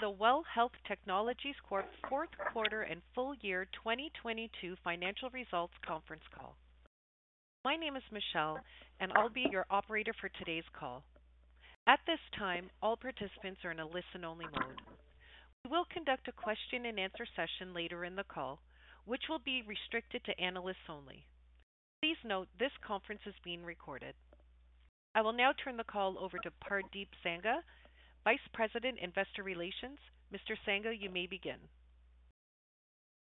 The WELL Health Technologies Corp.'s fourth quarter and full year 2022 financial results conference call. My name is Michelle, and I'll be your operator for today's call. At this time, all participants are in a listen-only mode. We will conduct a question and answer session later in the call, which will be restricted to analysts only. Please note this conference is being recorded. I will now turn the call over to Pardeep Sangha, Vice President, Investor Relations. Mr. Sangha, you may begin.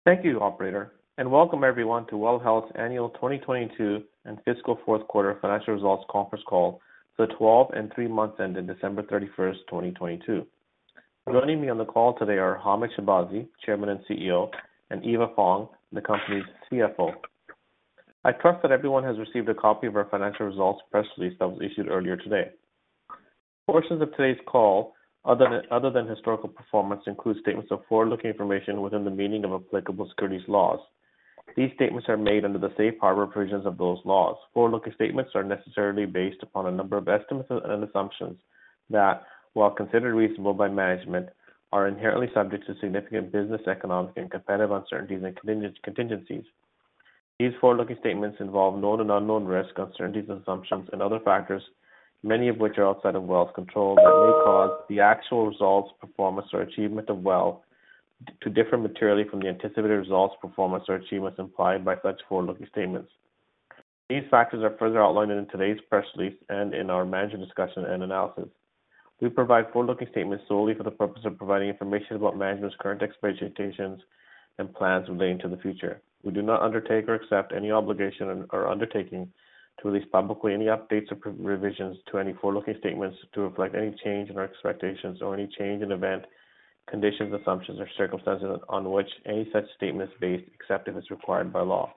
Thank you, operator. Welcome everyone to WELL Health's annual 2022 and fiscal fourth quarter financial results conference call for the 12 and three months ending December 31st, 2022. Joining me on the call today are Hamed Shahbazi, Chairman and CEO, and Eva Fong, the company's CFO. I trust that everyone has received a copy of our financial results press release that was issued earlier today. Portions of today's call, other than historical performance, include statements of forward-looking information within the meaning of applicable securities laws. These statements are made under the safe harbor provisions of those laws. Forward-looking statements are necessarily based upon a number of estimates and assumptions that, while considered reasonable by management, are inherently subject to significant business, economic and competitive uncertainties and contingencies. These forward-looking statements involve known and unknown risks, uncertainties, assumptions and other factors, many of which are outside of WELL's control, that may cause the actual results, performance or achievement of WELL to differ materially from the anticipated results, performance or achievements implied by such forward-looking statements. These factors are further outlined in today's press release and in our management discussion and analysis. We provide forward-looking statements solely for the purpose of providing information about management's current expectations and plans relating to the future. We do not undertake or accept any obligation or undertaking to release publicly any updates or revisions to any forward-looking statements to reflect any change in our expectations or any change in event, conditions, assumptions or circumstances on which any such statement is based, except if it's required by law.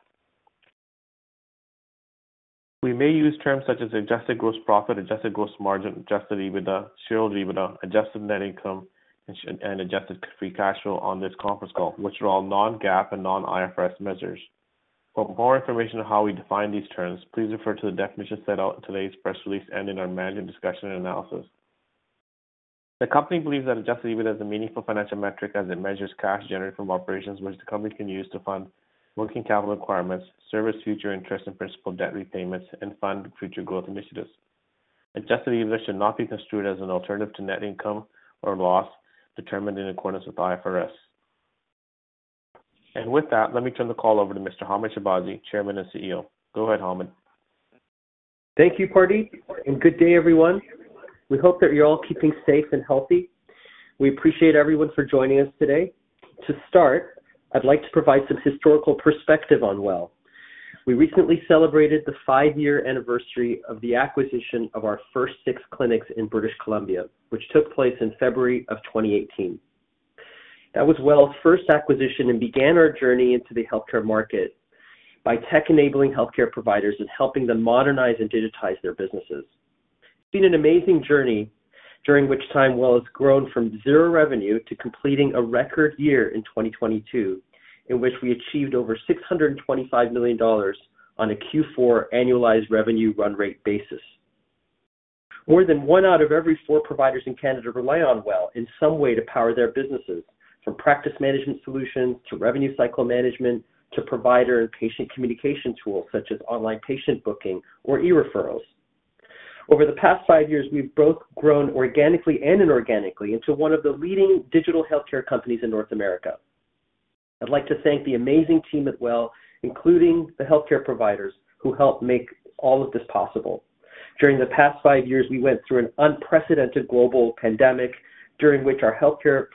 We may use terms such as adjusted gross profit, adjusted gross margin, adjusted EBITDA, share of EBITDA, adjusted net income and adjusted free cash flow on this conference call, which are all non-GAAP and non-IFRS measures. For more information on how we define these terms, please refer to the definition set out in today's press release and in our management discussion and analysis. The company believes that Adjusted EBITDA is a meaningful financial metric as it measures cash generated from operations which the company can use to fund working capital requirements, service future interest and principal debt repayments and fund future growth initiatives. Adjusted EBITDA should not be construed as an alternative to net income or loss determined in accordance with IFRS. With that, let me turn the call over to Mr. Hamed Shahbazi, Chairman and CEO. Go ahead, Hamed. Thank you, Pardeep. Good day, everyone. We hope that you're all keeping safe and healthy. We appreciate everyone for joining us today. To start, I'd like to provide some historical perspective on WELL. We recently celebrated the five-year anniversary of the acquisition of our first six clinics in British Columbia, which took place in February of 2018. That was WELL's first acquisition and began our journey into the healthcare market by tech-enabling healthcare providers and helping them modernize and digitize their businesses. It's been an amazing journey during which time WELL has grown from zero revenue to completing a record year in 2022, in which we achieved over 625 million dollars on a Q4 annualized revenue run rate basis. More than one out of every four providers in Canada rely on WELL in some way to power their businesses, from practice management solutions to revenue cycle management to provider and patient communication tools such as online patient booking or e-referrals. Over the past five years, we've both grown organically and inorganically into one of the leading digital healthcare companies in North America. I'd like to thank the amazing team at WELL, including the healthcare providers who helped make all of this possible. During the past five years, we went through an unprecedented global pandemic during which our healthcare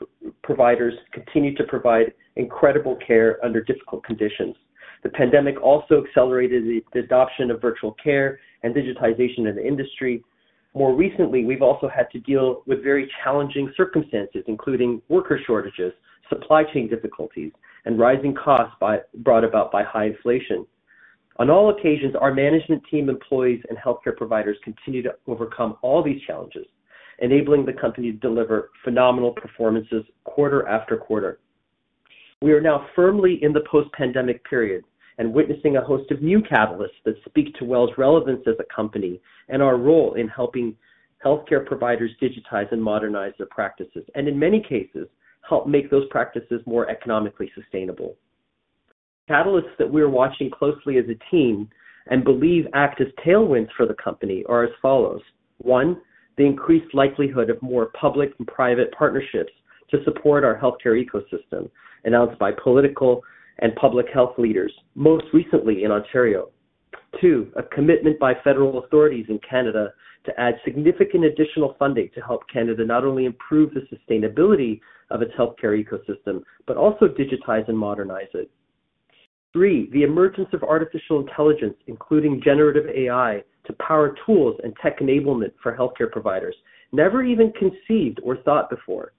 providers continued to provide incredible care under difficult conditions. The pandemic also accelerated the adoption of virtual care and digitization of the industry. More recently, we've also had to deal with very challenging circumstances, including worker shortages, supply chain difficulties, and rising costs brought about by high inflation. On all occasions, our management team, employees and healthcare providers continue to overcome all these challenges, enabling the company to deliver phenomenal performances quarter after quarter. We are now firmly in the post-pandemic period and witnessing a host of new catalysts that speak to WELL's relevance as a company and our role in helping healthcare providers digitize and modernize their practices, and in many cases, help make those practices more economically sustainable. Catalysts that we're watching closely as a team and believe act as tailwinds for the company are as follows. One, the increased likelihood of more public and private partnerships to support our healthcare ecosystem announced by political and public health leaders, most recently in Ontario. Two, a commitment by federal authorities in Canada to add significant additional funding to help Canada not only improve the sustainability of its healthcare ecosystem, but also digitize and modernize it. Three, the emergence of artificial intelligence, including generative AI, to power tools and tech enablement for healthcare providers never even conceived or thought before.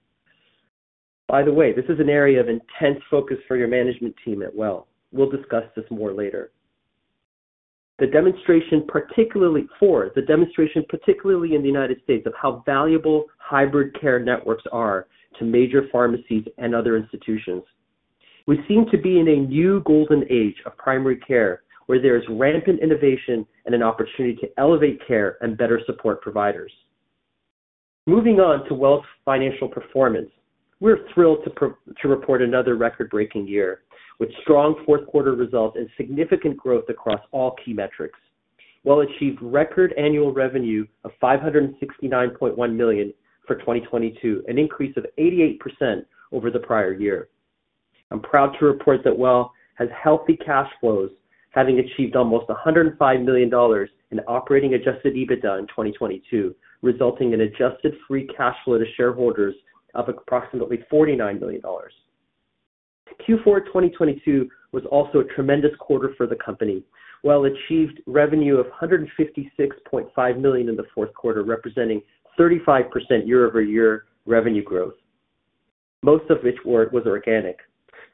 By the way, this is an area of intense focus for your management team at WELL. We'll discuss this more later. Four, the demonstration, particularly in the United States, of how valuable hybrid care networks are to major pharmacies and other institutions. We seem to be in a new golden age of primary care, where there is rampant innovation and an opportunity to elevate care and better support providers. Moving on to WELL's Financial Performance. We're thrilled to report another record-breaking year, with strong fourth-quarter results and significant growth across all key metrics. WELL achieved record annual revenue of 569.1 million for 2022, an increase of 88% over the prior year. I'm proud to report that WELL has healthy cash flows, having achieved almost 105 million dollars in operating Adjusted EBITDA in 2022, resulting in Adjusted Free Cash Flow to shareholders of approximately 49 million dollars. Q4 2022 was also a tremendous quarter for the company. WELL achieved revenue of 156.5 million in the fourth quarter, representing 35% year-over-year revenue growth, most of which was organic.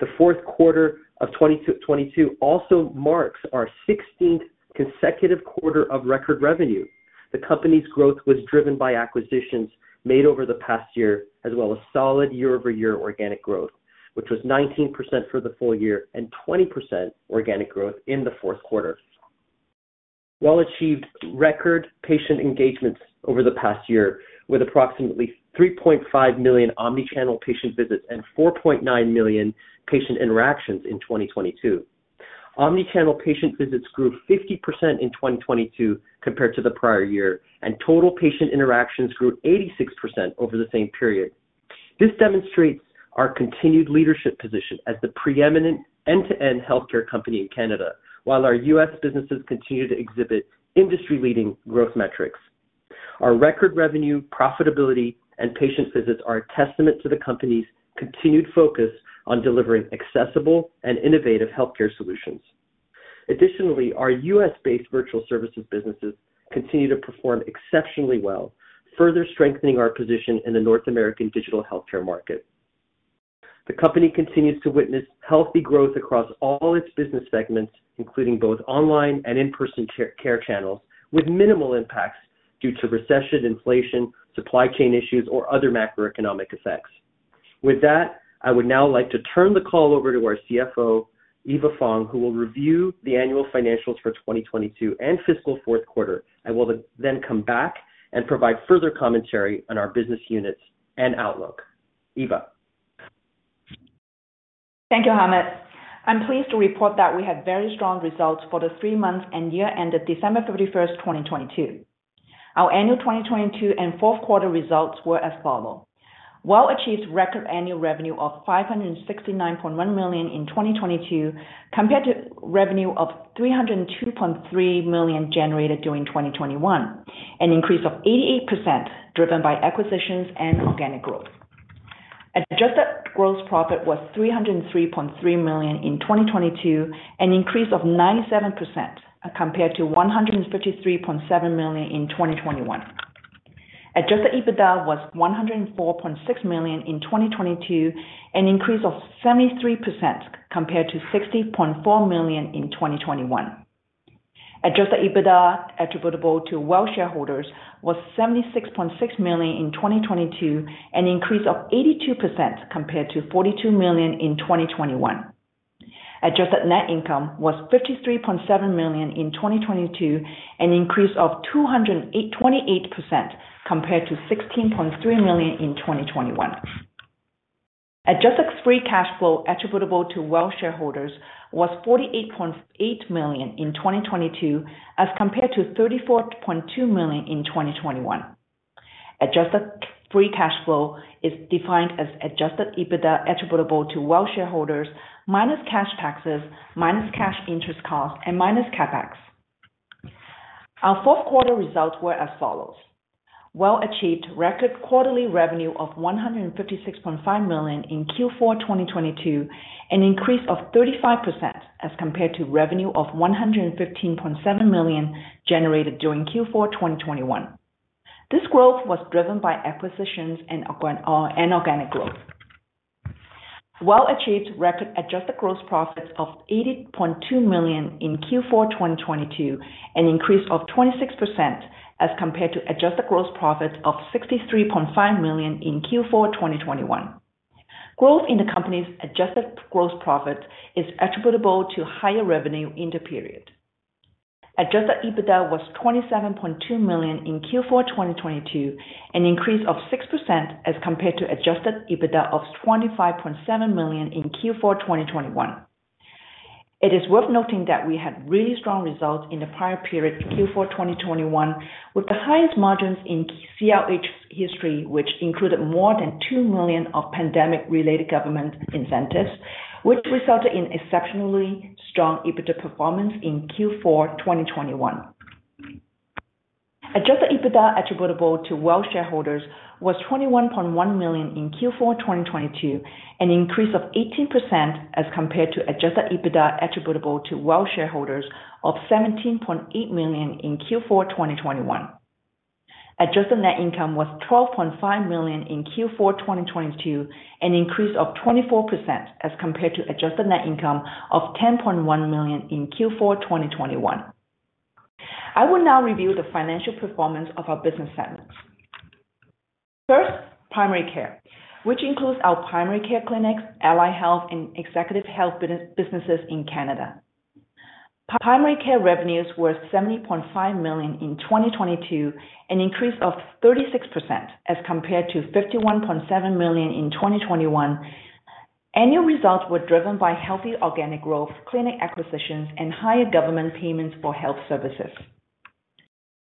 The fourth quarter of 2022 also marks our 16th consecutive quarter of record revenue. The company's growth was driven by acquisitions made over the past year, as well as solid year-over-year organic growth, which was 19% for the full year and 20% organic growth in the fourth quarter. WELL achieved record patient engagements over the past year, with approximately 3.5 million omnichannel patient visits and 4.9 million patient interactions in 2022. Omnichannel patient visits grew 50% in 2022 compared to the prior year, and total patient interactions grew 86% over the same period. This demonstrates our continued leadership position as the preeminent end-to-end healthcare company in Canada, while our U.S. businesses continue to exhibit industry-leading growth metrics. Our record revenue, profitability, and patient visits are a testament to the company's continued focus on delivering accessible and innovative healthcare solutions. Additionally, our U.S.-based virtual services businesses continue to perform exceptionally well, further strengthening our position in the North American digital healthcare market. The company continues to witness healthy growth across all its business segments, including both online and in-person care channels, with minimal impacts due to recession, inflation, supply chain issues, or other macroeconomic effects. With that, I would now like to turn the call over to our CFO, Eva Fong, who will review the annual financials for 2022 and fiscal fourth quarter. I will then come back and provide further commentary on our business units and outlook. Eva. Thank you, Hamed. I'm pleased to report that we had very strong results for the three months and year ended December 31, 2022. Our annual 2022 and Q4 results were as follows. WELL achieved record annual revenue of 569.1 million in 2022 compared to revenue of 302.3 million generated during 2021, an increase of 88% driven by acquisitions and organic growth. Adjusted Gross Profit was CAD 303.3 million in 2022, an increase of 97% compared to CAD 153.7 million in 2021. Adjusted EBITDA was CAD 104.6 million in 2022, an increase of 73% compared to CAD 60.4 million in 2021. Adjusted EBITDA attributable to WELL shareholders was 76.6 million in 2022, an increase of 82% compared to 42 million in 2021. Adjusted net income was 53.7 million in 2022, an increase of 228% compared to 16.3 million in 2021. Adjusted free cash flow attributable to WELL shareholders was 48.8 million in 2022, as compared to 34.2 million in 2021. Adjusted free cash flow is defined as Adjusted EBITDA attributable to WELL shareholders minus cash taxes, minus cash interest costs, and minus CapEx. Our fourth quarter results were as follows. WELL achieved record quarterly revenue of 156.5 million in Q4 2022, an increase of 35% as compared to revenue of 115.7 million generated during Q4 2021. This growth was driven by acquisitions and organic growth. WELL achieved record Adjusted Gross Profit of 80.2 million in Q4 2022, an increase of 26% as compared to Adjusted Gross Profit of 63.5 million in Q4 2021. Growth in the company's Adjusted Gross Profit is attributable to higher revenue in the period. Adjusted EBITDA was 27.2 million in Q4 2022, an increase of 6% as compared to Adjusted EBITDA of 25.7 million in Q4 2021. It is worth noting that we had really strong results in the prior period, Q4 2021, with the highest margins in WELL history, which included more than 2 million of pandemic-related government incentives, which resulted in exceptionally strong EBITDA performance in Q4 2021. Adjusted EBITDA attributable to WELL shareholders was 21.1 million in Q4 2022, an increase of 18% as compared to Adjusted EBITDA attributable to WELL shareholders of 17.8 million in Q4 2021. Adjusted net income was 12.5 million in Q4 2022, an increase of 24% as compared to Adjusted net income of 10.1 million in Q4 2021. I will now review the financial performance of our business segments. First, primary care, which includes our primary care clinics, Ally Health, and executive health businesses in Canada. Primary care revenues were 70.5 million in 2022, an increase of 36% as compared to 51.7 million in 2021. Annual results were driven by healthy organic growth, clinic acquisitions, and higher government payments for health services.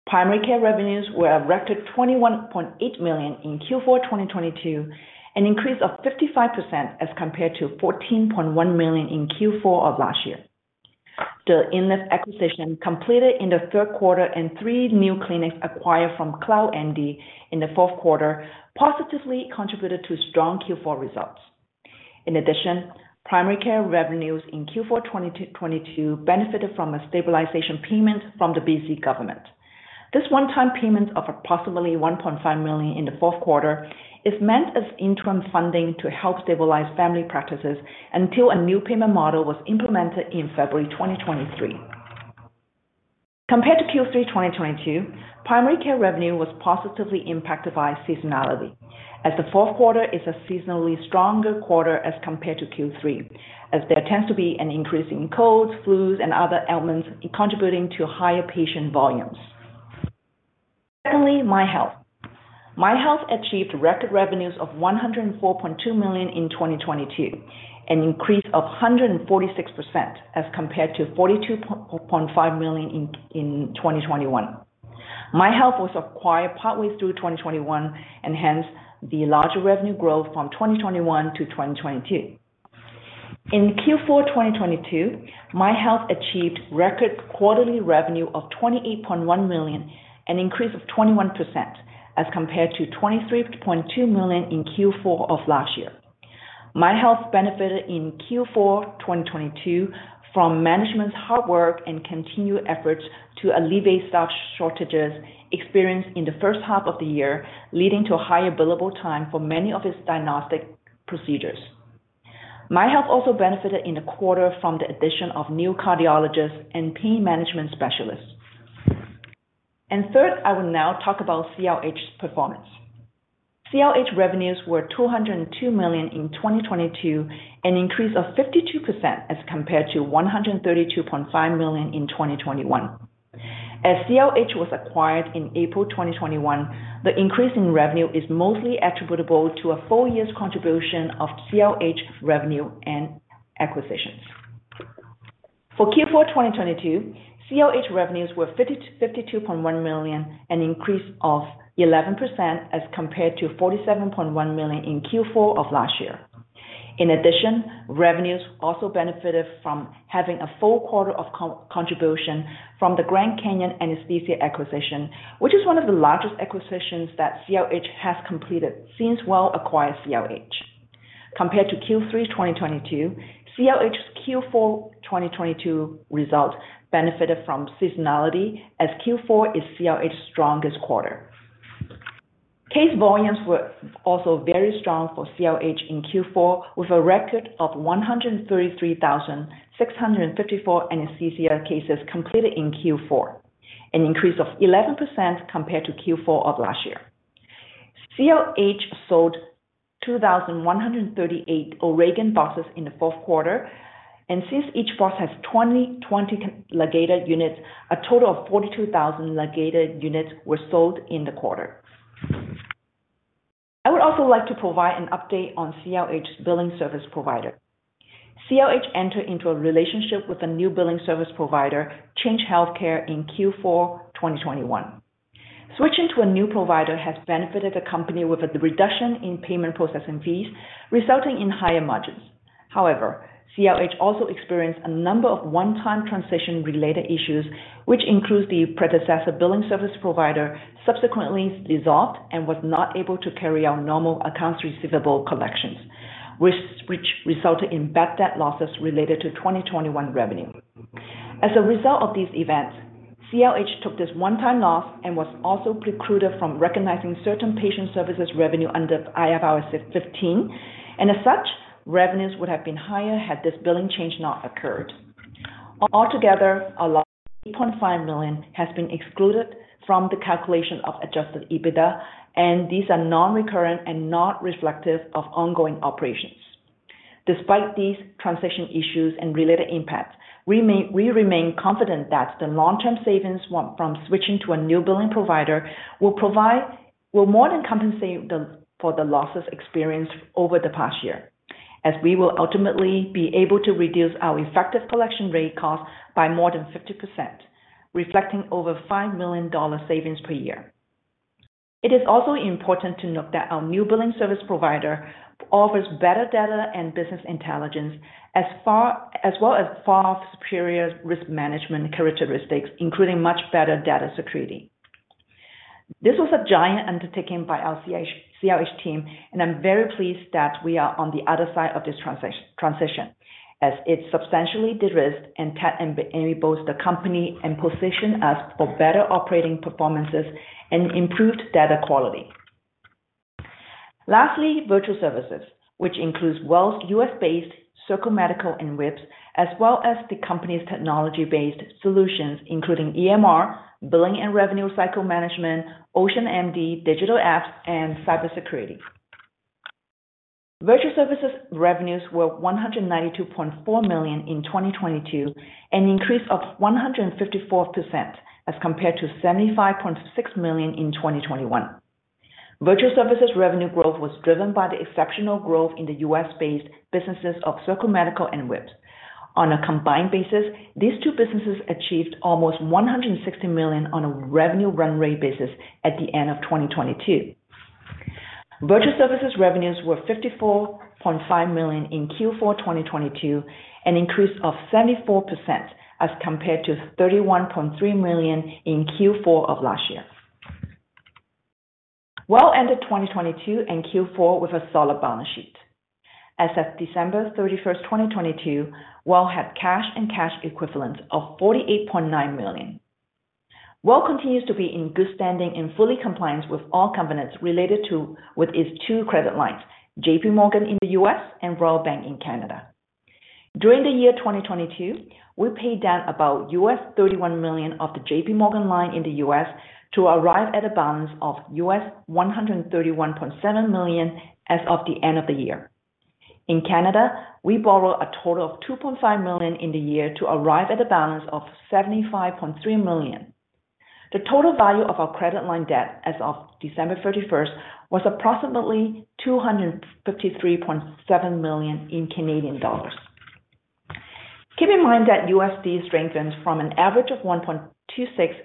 Primary care revenues were a record CAD 21.8 million in Q4 2022, an increase of 55% as compared to CAD 14.1 million in Q4 of last year. The INLIV acquisition completed in the third quarter and three new clinics acquired from CloudMD in the fourth quarter positively contributed to strong Q4 results. In addition, primary care revenues in Q4 2022 benefited from a stabilization payment from the BC government. This one-time payment of approximately 1.5 million in the fourth quarter is meant as interim funding to help stabilize family practices until a new payment model was implemented in February 2023. Compared to Q3 2022, primary care revenue was positively impacted by seasonality, as the fourth quarter is a seasonally stronger quarter as compared to Q3, as there tends to be an increase in colds, flus, and other ailments contributing to higher patient volumes. MyHealth. MyHealth achieved record revenues of 104.2 million in 2022, an increase of 146% as compared to 42.5 million in 2021. MyHealth was acquired partway through 2021, hence the larger revenue growth from 2021 to 2022. In Q4 2022, MyHealth achieved record quarterly revenue of 28.1 million, an increase of 21% as compared to 23.2 million in Q4 of last year. MyHealth benefited in Q4 2022 from management's hard work and continued efforts to alleviate staff shortages experienced in the first half of the year, leading to higher billable time for many of its diagnostic procedures. MyHealth also benefited in the quarter from the addition of new cardiologists and pain management specialists. Third, I will now talk about CRH's performance. CRH revenues were 202 million in 2022, an increase of 52% as compared to 132.5 million in 2021. As CRH was acquired in April 2021, the increase in revenue is mostly attributable to a full year's contribution of CRH revenue and acquisitions. For Q4 2022, CRH revenues were 52.1 million, an increase of 11% as compared to 47.1 million in Q4 of last year. Revenues also benefited from having a full quarter of contribution from the Grand Canyon Anesthesia acquisition, which is one of the largest acquisitions that CRH has completed since WELL acquired CRH. Compared to Q3 2022, CRH's Q4 2022 results benefited from seasonality, as Q4 is CRH's strongest quarter. Case volumes were also very strong for CRH in Q4, with a record of 133,654 anesthesia cases completed in Q4, an increase of 11% compared to Q4 of last year. CRH sold 2,138 O'Regan buses in the fourth quarter, and since each bus has 20 ligated units, a total of 42,000 ligated units were sold in the quarter. I would also like to provide an update on CRH's billing service provider. CRH entered into a relationship with a new billing service provider, Change Healthcare, in Q4 2021. Switching to a new provider has benefited the company with a reduction in payment processing fees, resulting in higher margins. However, CRH also experienced a number of one-time transition-related issues, which includes the predecessor billing service provider subsequently dissolved and was not able to carry out normal accounts receivable collections, which resulted in bad debt losses related to 2021 revenue. As a result of these events, CRH took this one-time loss and was also precluded from recognizing certain patient services revenue under IFRS 15, and as such, revenues would have been higher had this billing change not occurred. Altogether, a loss of 3.5 million has been excluded from the calculation of Adjusted EBITDA, and these are non-recurrent and not reflective of ongoing operations. Despite these transition issues and related impacts, we remain confident that the long-term savings from switching to a new billing provider will more than compensate for the losses experienced over the past year, as we will ultimately be able to reduce our effective collection rate cost by more than 50%, reflecting over $5 million savings per year. It is also important to note that our new billing service provider offers better data and business intelligence as well as far superior risk management characteristics, including much better data security. This was a giant undertaking by our CRH team, and I'm very pleased that we are on the other side of this transition, as it substantially derisked and enabled the company and positioned us for better operating performances and improved data quality. Lastly, virtual services, which includes WELL's US-based Circle Medical and WISP, as well as the company's technology-based solutions, including EMR, billing and revenue cycle management, OceanMD, digital apps, and cybersecurity. Virtual services revenues were 192.4 million in 2022, an increase of 154% as compared to 75.6 million in 2021. Virtual services revenue growth was driven by the exceptional growth in the US-based businesses of Circle Medical and WISP. On a combined basis, these two businesses achieved almost 160 million on a revenue run rate basis at the end of 2022. Virtual services revenues were 54.5 million in Q4 2022, an increase of 74% as compared to 31.3 million in Q4 of last year. WELL ended 2022 and Q4 with a solid balance sheet. As of December 31st, 2022, WELL had cash and cash equivalents of 48.9 million. WELL continues to be in good standing and fully compliance with all covenants related to its two credit lines, JPMorgan in the U.S. and Royal Bank in Canada. During the year 2022, we paid down about $31 million of the JPMorgan line in the US to arrive at a balance of $131.7 million as of the end of the year. In Canada, we borrowed a total of 2.5 million in the year to arrive at a balance of 75.3 million. The total value of our credit line debt as of December 31st was approximately 253.7 million. Keep in mind that USD strengthened from an average of 1.26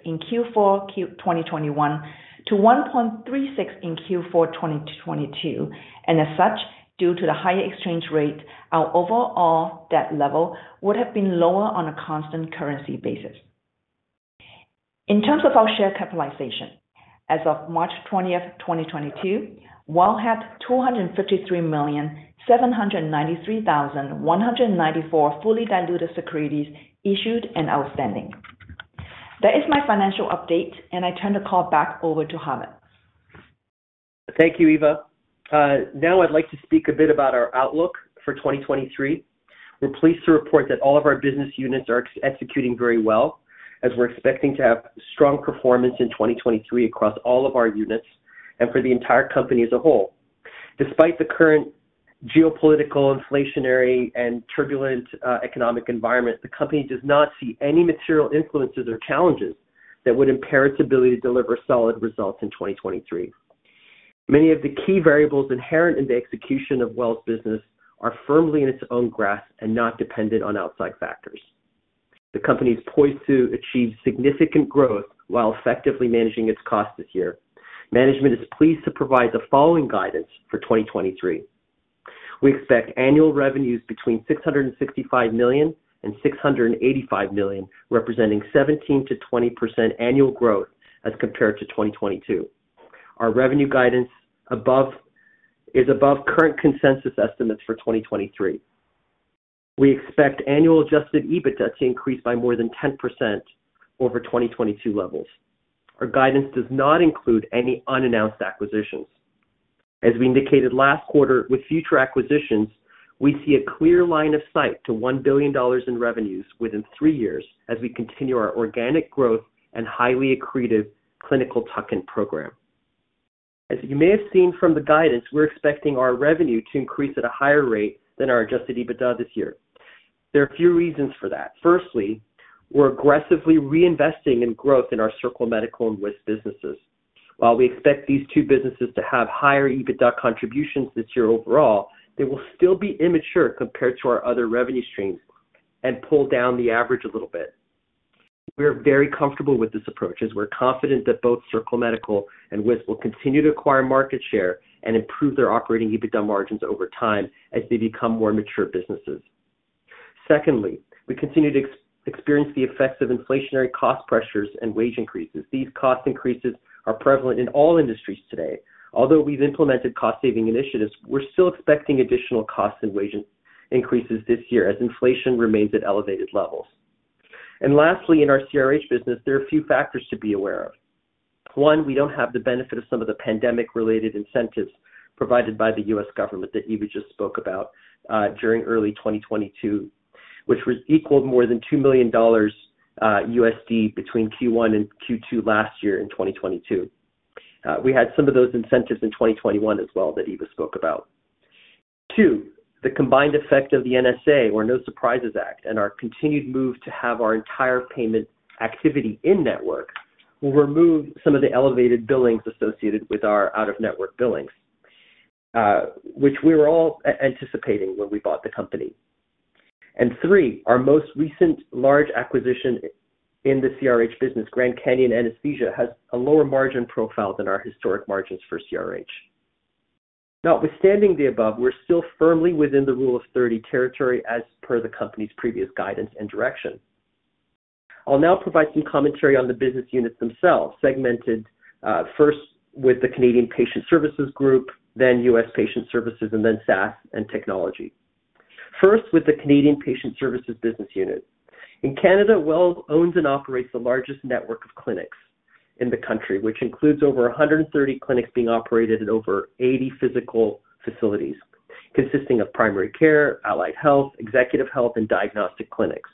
in Q4 2021 to 1.36 in Q4 2022, as such, due to the higher exchange rate, our overall debt level would have been lower on a constant currency basis. In terms of our share capitalization, as of March 20th, 2022, WELL had 253,793,194 fully diluted securities issued and outstanding. That is my financial update, and I turn the call back over to Hamed. Thank you, Eva. Now I'd like to speak a bit about our outlook for 2023. We're pleased to report that all of our business units are executing very well, as we're expecting to have strong performance in 2023 across all of our units and for the entire company as a whole. Despite the current geopolitical, inflationary, and turbulent economic environment, the company does not see any material influences or challenges that would impair its ability to deliver solid results in 2023. Many of the key variables inherent in the execution of WELL's business are firmly in its own grasp and not dependent on outside factors. The company is poised to achieve significant growth while effectively managing its costs this year. Management is pleased to provide the following guidance for 2023. We expect annual revenues between 665 million and 685 million, representing 17%-20% annual growth as compared to 2022. Our revenue guidance is above current consensus estimates for 2023. We expect annual Adjusted EBITDA to increase by more than 10% over 2022 levels. Our guidance does not include any unannounced acquisitions. As we indicated last quarter, with future acquisitions, we see a clear line of sight to 1 billion dollars in revenues within three years as we continue our organic growth and highly accretive clinical tuck-in program. As you may have seen from the guidance, we're expecting our revenue to increase at a higher rate than our Adjusted EBITDA this year. There are a few reasons for that. Firstly, we're aggressively reinvesting in growth in our Circle Medical and WISP businesses. While we expect these two businesses to have higher EBITDA contributions this year overall, they will still be immature compared to our other revenue streams and pull down the average a little bit. We are very comfortable with this approach, as we're confident that both Circle Medical and WISP will continue to acquire market share and improve their operating EBITDA margins over time as they become more mature businesses. Secondly, we continue to experience the effects of inflationary cost pressures and wage increases. These cost increases are prevalent in all industries today. Although we've implemented cost-saving initiatives, we're still expecting additional costs and wages increases this year as inflation remains at elevated levels. Lastly, in our CRH business, there are a few factors to be aware of. One, we don't have the benefit of some of the pandemic-related incentives provided by the U.S. government that Eva Fong just spoke about during early 2022, which was equal more than $2 million USD between Q1 and Q2 last year in 2022. We had some of those incentives in 2021 as well that Eva Fong spoke about. Two, the combined effect of the NSA, or No Surprises Act, and our continued move to have our entire payment activity in-network will remove some of the elevated billings associated with our out-of-network billings, which we were all anticipating when we bought the company. Three, our most recent large acquisition in the CRH business, Grand Canyon Anesthesia, has a lower margin profile than our historic margins for CRH. Notwithstanding the above, we're still firmly within the Rule of 30 territory as per the company's previous guidance and direction. I'll now provide some commentary on the business units themselves, segmented first with the Canadian Patient Services Group, then US Patient Services, and then SaaS and Technology. First, with the Canadian Patient Services business unit. In Canada, WELL owns and operates the largest network of clinics in the country, which includes over 130 clinics being operated in over 80 physical facilities consisting of primary care, allied health, executive health, and diagnostic clinics.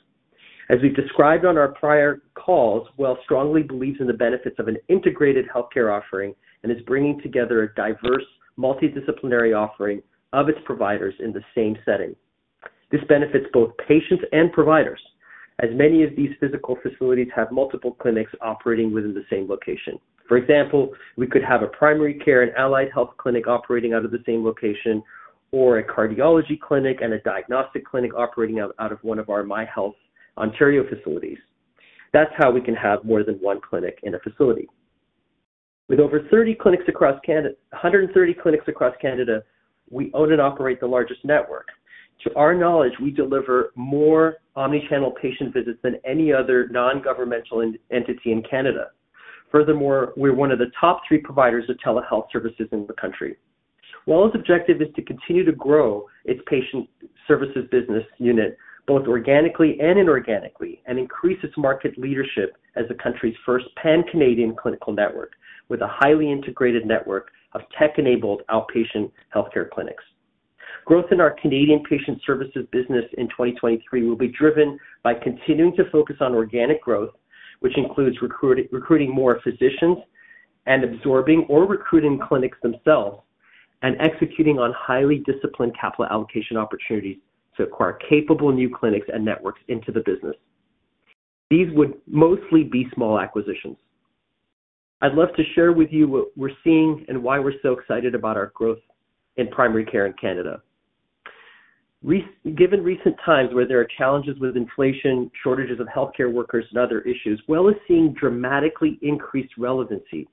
As we've described on our prior calls, WELL strongly believes in the benefits of an integrated healthcare offering and is bringing together a diverse multidisciplinary offering of its providers in the same setting. This benefits both patients and providers, as many of these physical facilities have multiple clinics operating within the same location. For example, we could have a primary care and allied health clinic operating out of the same location or a cardiology clinic and a diagnostic clinic operating out of one of our MyHealth Ontario facilities. That's how we can have more than one clinic in a facility. With over 130 clinics across Canada, we own and operate the largest network. To our knowledge, we deliver more omni-channel patient visits than any other non-governmental entity in Canada. We're one of the top three providers of telehealth services in the country. WELL's objective is to continue to grow its patient services business unit both organically and inorganically, and increase its market leadership as the country's first pan-Canadian clinical network with a highly integrated network of tech-enabled outpatient healthcare clinics. Growth in our Canadian patient services business in 2023 will be driven by continuing to focus on organic growth, which includes recruiting more physicians and absorbing or recruiting clinics themselves, and executing on highly disciplined capital allocation opportunities to acquire capable new clinics and networks into the business. These would mostly be small acquisitions. I'd love to share with you what we're seeing and why we're so excited about our growth in primary care in Canada. Given recent times where there are challenges with inflation, shortages of healthcare workers, and other issues, WELL is seeing dramatically increased relevancy,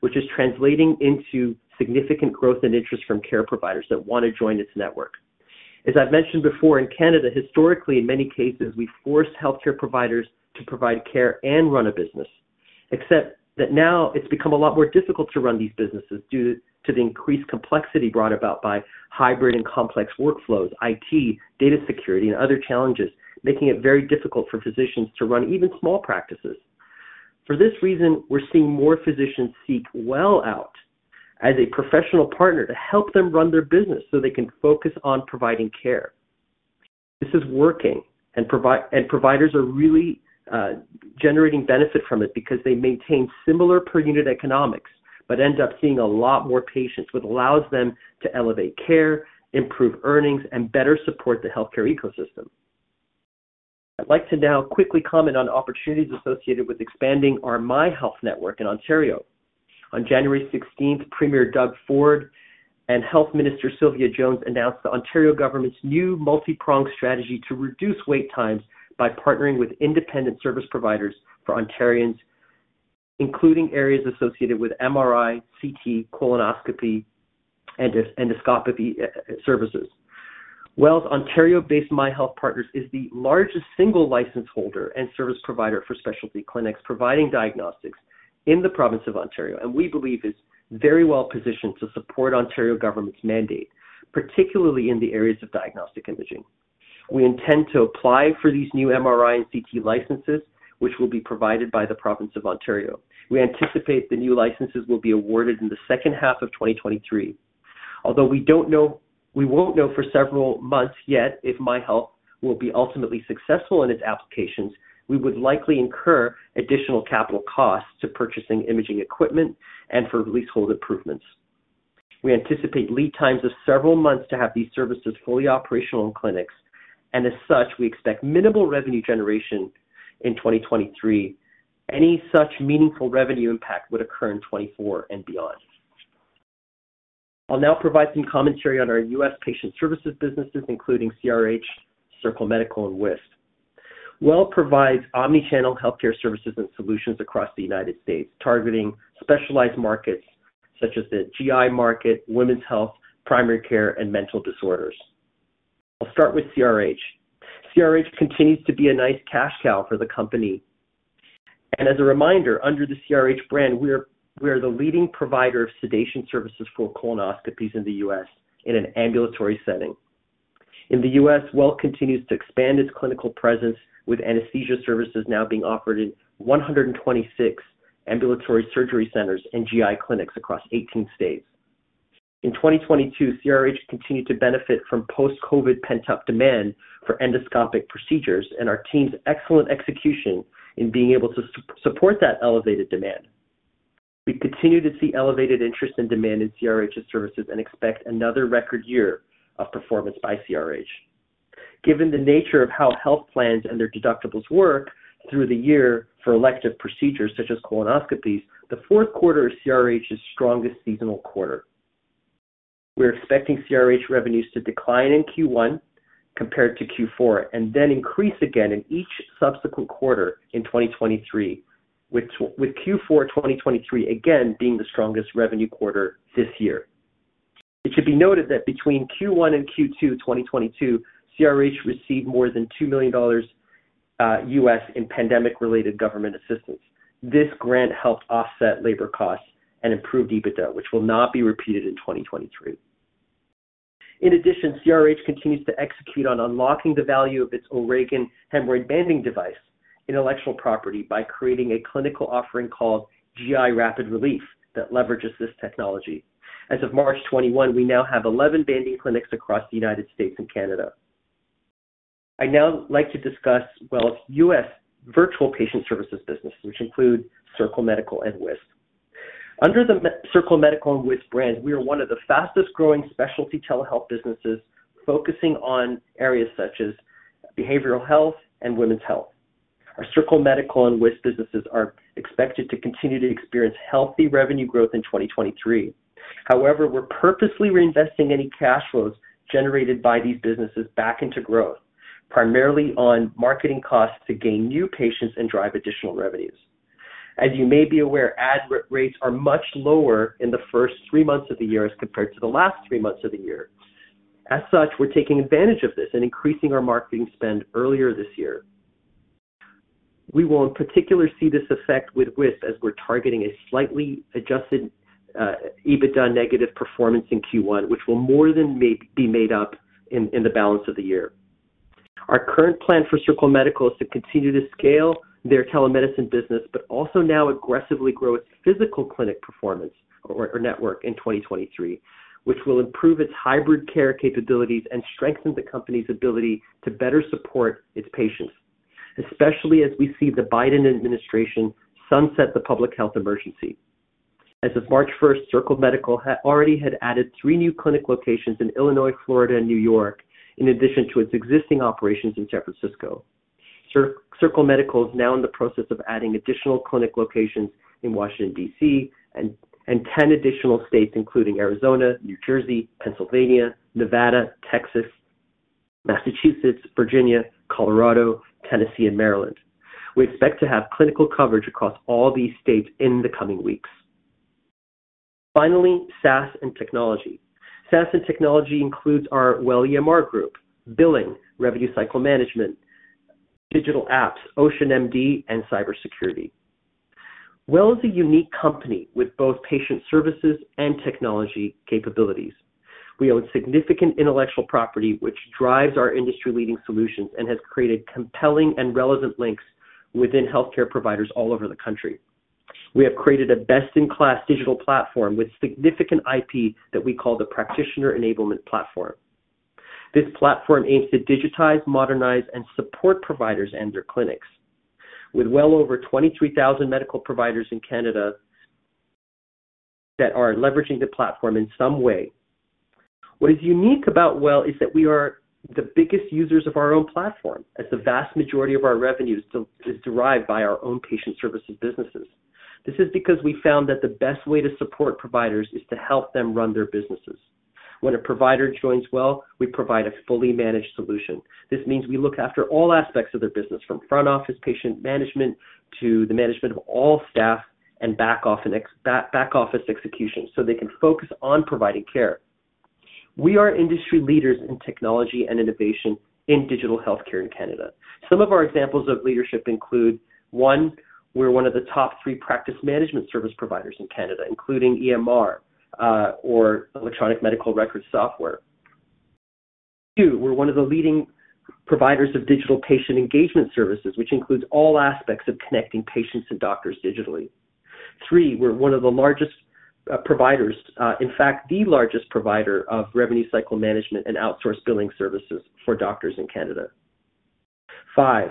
which is translating into significant growth and interest from care providers that want to join its network. As I've mentioned before, in Canada, historically, in many cases, we forced healthcare providers to provide care and run a business. Now it's become a lot more difficult to run these businesses due to the increased complexity brought about by hybrid and complex workflows, IT, data security, and other challenges, making it very difficult for physicians to run even small practices. For this reason, we're seeing more physicians seek WELL out as a professional partner to help them run their business so they can focus on providing care. This is working, and providers are really generating benefit from it because they maintain similar per unit economics but end up seeing a lot more patients, which allows them to elevate care, improve earnings, and better support the healthcare ecosystem. I'd like to now quickly comment on opportunities associated with expanding our MyHealth network in Ontario. On January 16th, Premier Doug Ford and Health Minister Sylvia Jones announced the Ontario government's new multi-pronged strategy to reduce wait times by partnering with independent service providers for Ontarians, including areas associated with MRI, CT, colonoscopy, endoscopy services. WELL's Ontario-based MyHealth Partners is the largest single license holder and service provider for specialty clinics providing diagnostics in the province of Ontario, and we believe is very well positioned to support Ontario government's mandate, particularly in the areas of diagnostic imaging. We intend to apply for these new MRI and CT licenses, which will be provided by the province of Ontario. We anticipate the new licenses will be awarded in the second half of 2023. Although we don't know-- we won't know for several months yet if MyHealth will be ultimately successful in its applications, we would likely incur additional capital costs to purchasing imaging equipment and for leasehold improvements. We anticipate lead times of several months to have these services fully operational in clinics. As such, we expect minimal revenue generation in 2023. Any such meaningful revenue impact would occur in 2024 and beyond. I'll now provide some commentary on our U.S. patient services businesses, including CRH, Circle Medical, and WISP. WELL provides omni-channel healthcare services and solutions across the United States, targeting specialized markets such as the GI market, women's health, primary care, and mental disorders. I'll start with CRH. CRH continues to be a nice cash cow for the company. As a reminder, under the CRH brand, we're the leading provider of sedation services for colonoscopies in the US in an ambulatory setting. In the US, WELL continues to expand its clinical presence, with anesthesia services now being offered in 126 ambulatory surgery centers and GI clinics across 18 states. In 2022, CRH continued to benefit from post-COVID pent-up demand for endoscopic procedures and our team's excellent execution in being able to support that elevated demand. We continue to see elevated interest and demand in CRH's services and expect another record year of performance by CRH. Given the nature of how health plans and their deductibles work through the year for elective procedures such as colonoscopies, the fourth quarter is CRH's strongest seasonal quarter. We're expecting CRH revenues to decline in Q1 compared to Q4, with Q4 2023 again being the strongest revenue quarter this year. It should be noted that between Q1 and Q2 2022, CRH received more than $2 million U.S. in pandemic related government assistance. This grant helped offset labor costs and improved EBITDA, which will not be repeated in 2023. CRH continues to execute on unlocking the value of its O'Regan hemorrhoid banding device intellectual property by creating a clinical offering called GI Rapid Relief that leverages this technology. As of March 21, we now have 11 banding clinics across the United States and Canada. I'd now like to discuss, well, U.S. virtual patient services business which include Circle Medical and WISP. Under the Circle Medical and WISP brands, we are one of the fastest-growing specialty telehealth businesses focusing on areas such as behavioral health and women's health. Our Circle Medical and WISP businesses are expected to continue to experience healthy revenue growth in 2023. However, we're purposely reinvesting any cash flows generated by these businesses back into growth, primarily on marketing costs to gain new patients and drive additional revenues. As you may be aware, ad rates are much lower in the first three months of the year as compared to the last three months of the year. As such, we're taking advantage of this and increasing our marketing spend earlier this year. We will, in particular, see this effect with WISP as we're targeting a slightly adjusted EBITDA negative performance in Q1, which will more than be made up in the balance of the year. Our current plan for Circle Medical is to continue to scale their telemedicine business, but also now aggressively grow its physical clinic performance or network in 2023, which will improve its hybrid care capabilities and strengthen the company's ability to better support its patients, especially as we see the Biden administration sunset the public health emergency. As of March 1, Circle Medical already had added three new clinic locations in Illinois, Florida, and New York, in addition to its existing operations in San Francisco. Circle Medical is now in the process of adding additional clinic locations in Washington, D.C., and 10 additional states including Arizona, New Jersey, Pennsylvania, Nevada, Texas, Massachusetts, Virginia, Colorado, Tennessee, and Maryland. We expect to have clinical coverage across all these states in the coming weeks. Finally, SaaS and technology. SaaS and technology includes our WELL EMR Group, billing, revenue cycle management, digital apps, OceanMD, and cybersecurity. WELL is a unique company with both patient services and technology capabilities. We own significant intellectual property, which drives our industry-leading solutions and has created compelling and relevant links within healthcare providers all over the country. We have created a best-in-class digital platform with significant IP that we call the Practitioner Enablement Platform. This platform aims to digitize, modernize, and support providers and their clinics. With well over 23,000 medical providers in Canada that are leveraging the platform in some way. What is unique about WELL is that we are the biggest users of our own platform, as the vast majority of our revenue is derived by our own patient services businesses. This is because we found that the best way to support providers is to help them run their businesses. When a provider joins WELL, we provide a fully managed solution. This means we look after all aspects of their business, from front office patient management to the management of all staff and back office execution, so they can focus on providing care. We are industry leaders in technology and innovation in digital healthcare in Canada. Some of our examples of leadership include, one, we're one of the top three practice management service providers in Canada, including EMR, or electronic medical record software. two, we're one of the leading providers of digital patient engagement services, which includes all aspects of connecting patients and doctors digitally. Three, we're one of the largest providers, in fact, the largest provider of revenue cycle management and outsourced billing services for doctors in Canada. Five,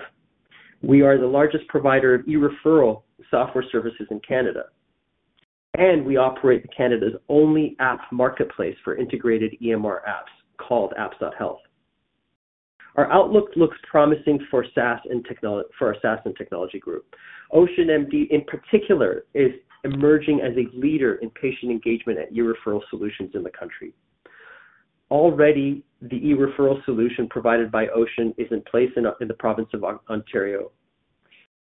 we are the largest provider of eReferral software services in Canada. We operate Canada's only app marketplace for integrated EMR apps called apps.health. Our outlook looks promising for SaaS and for our SaaS and technology group. OceanMD, in particular, is emerging as a leader in patient engagement at eReferral solutions in the country. Already, the eReferral solution provided by Ocean is in place in the province of Ontario.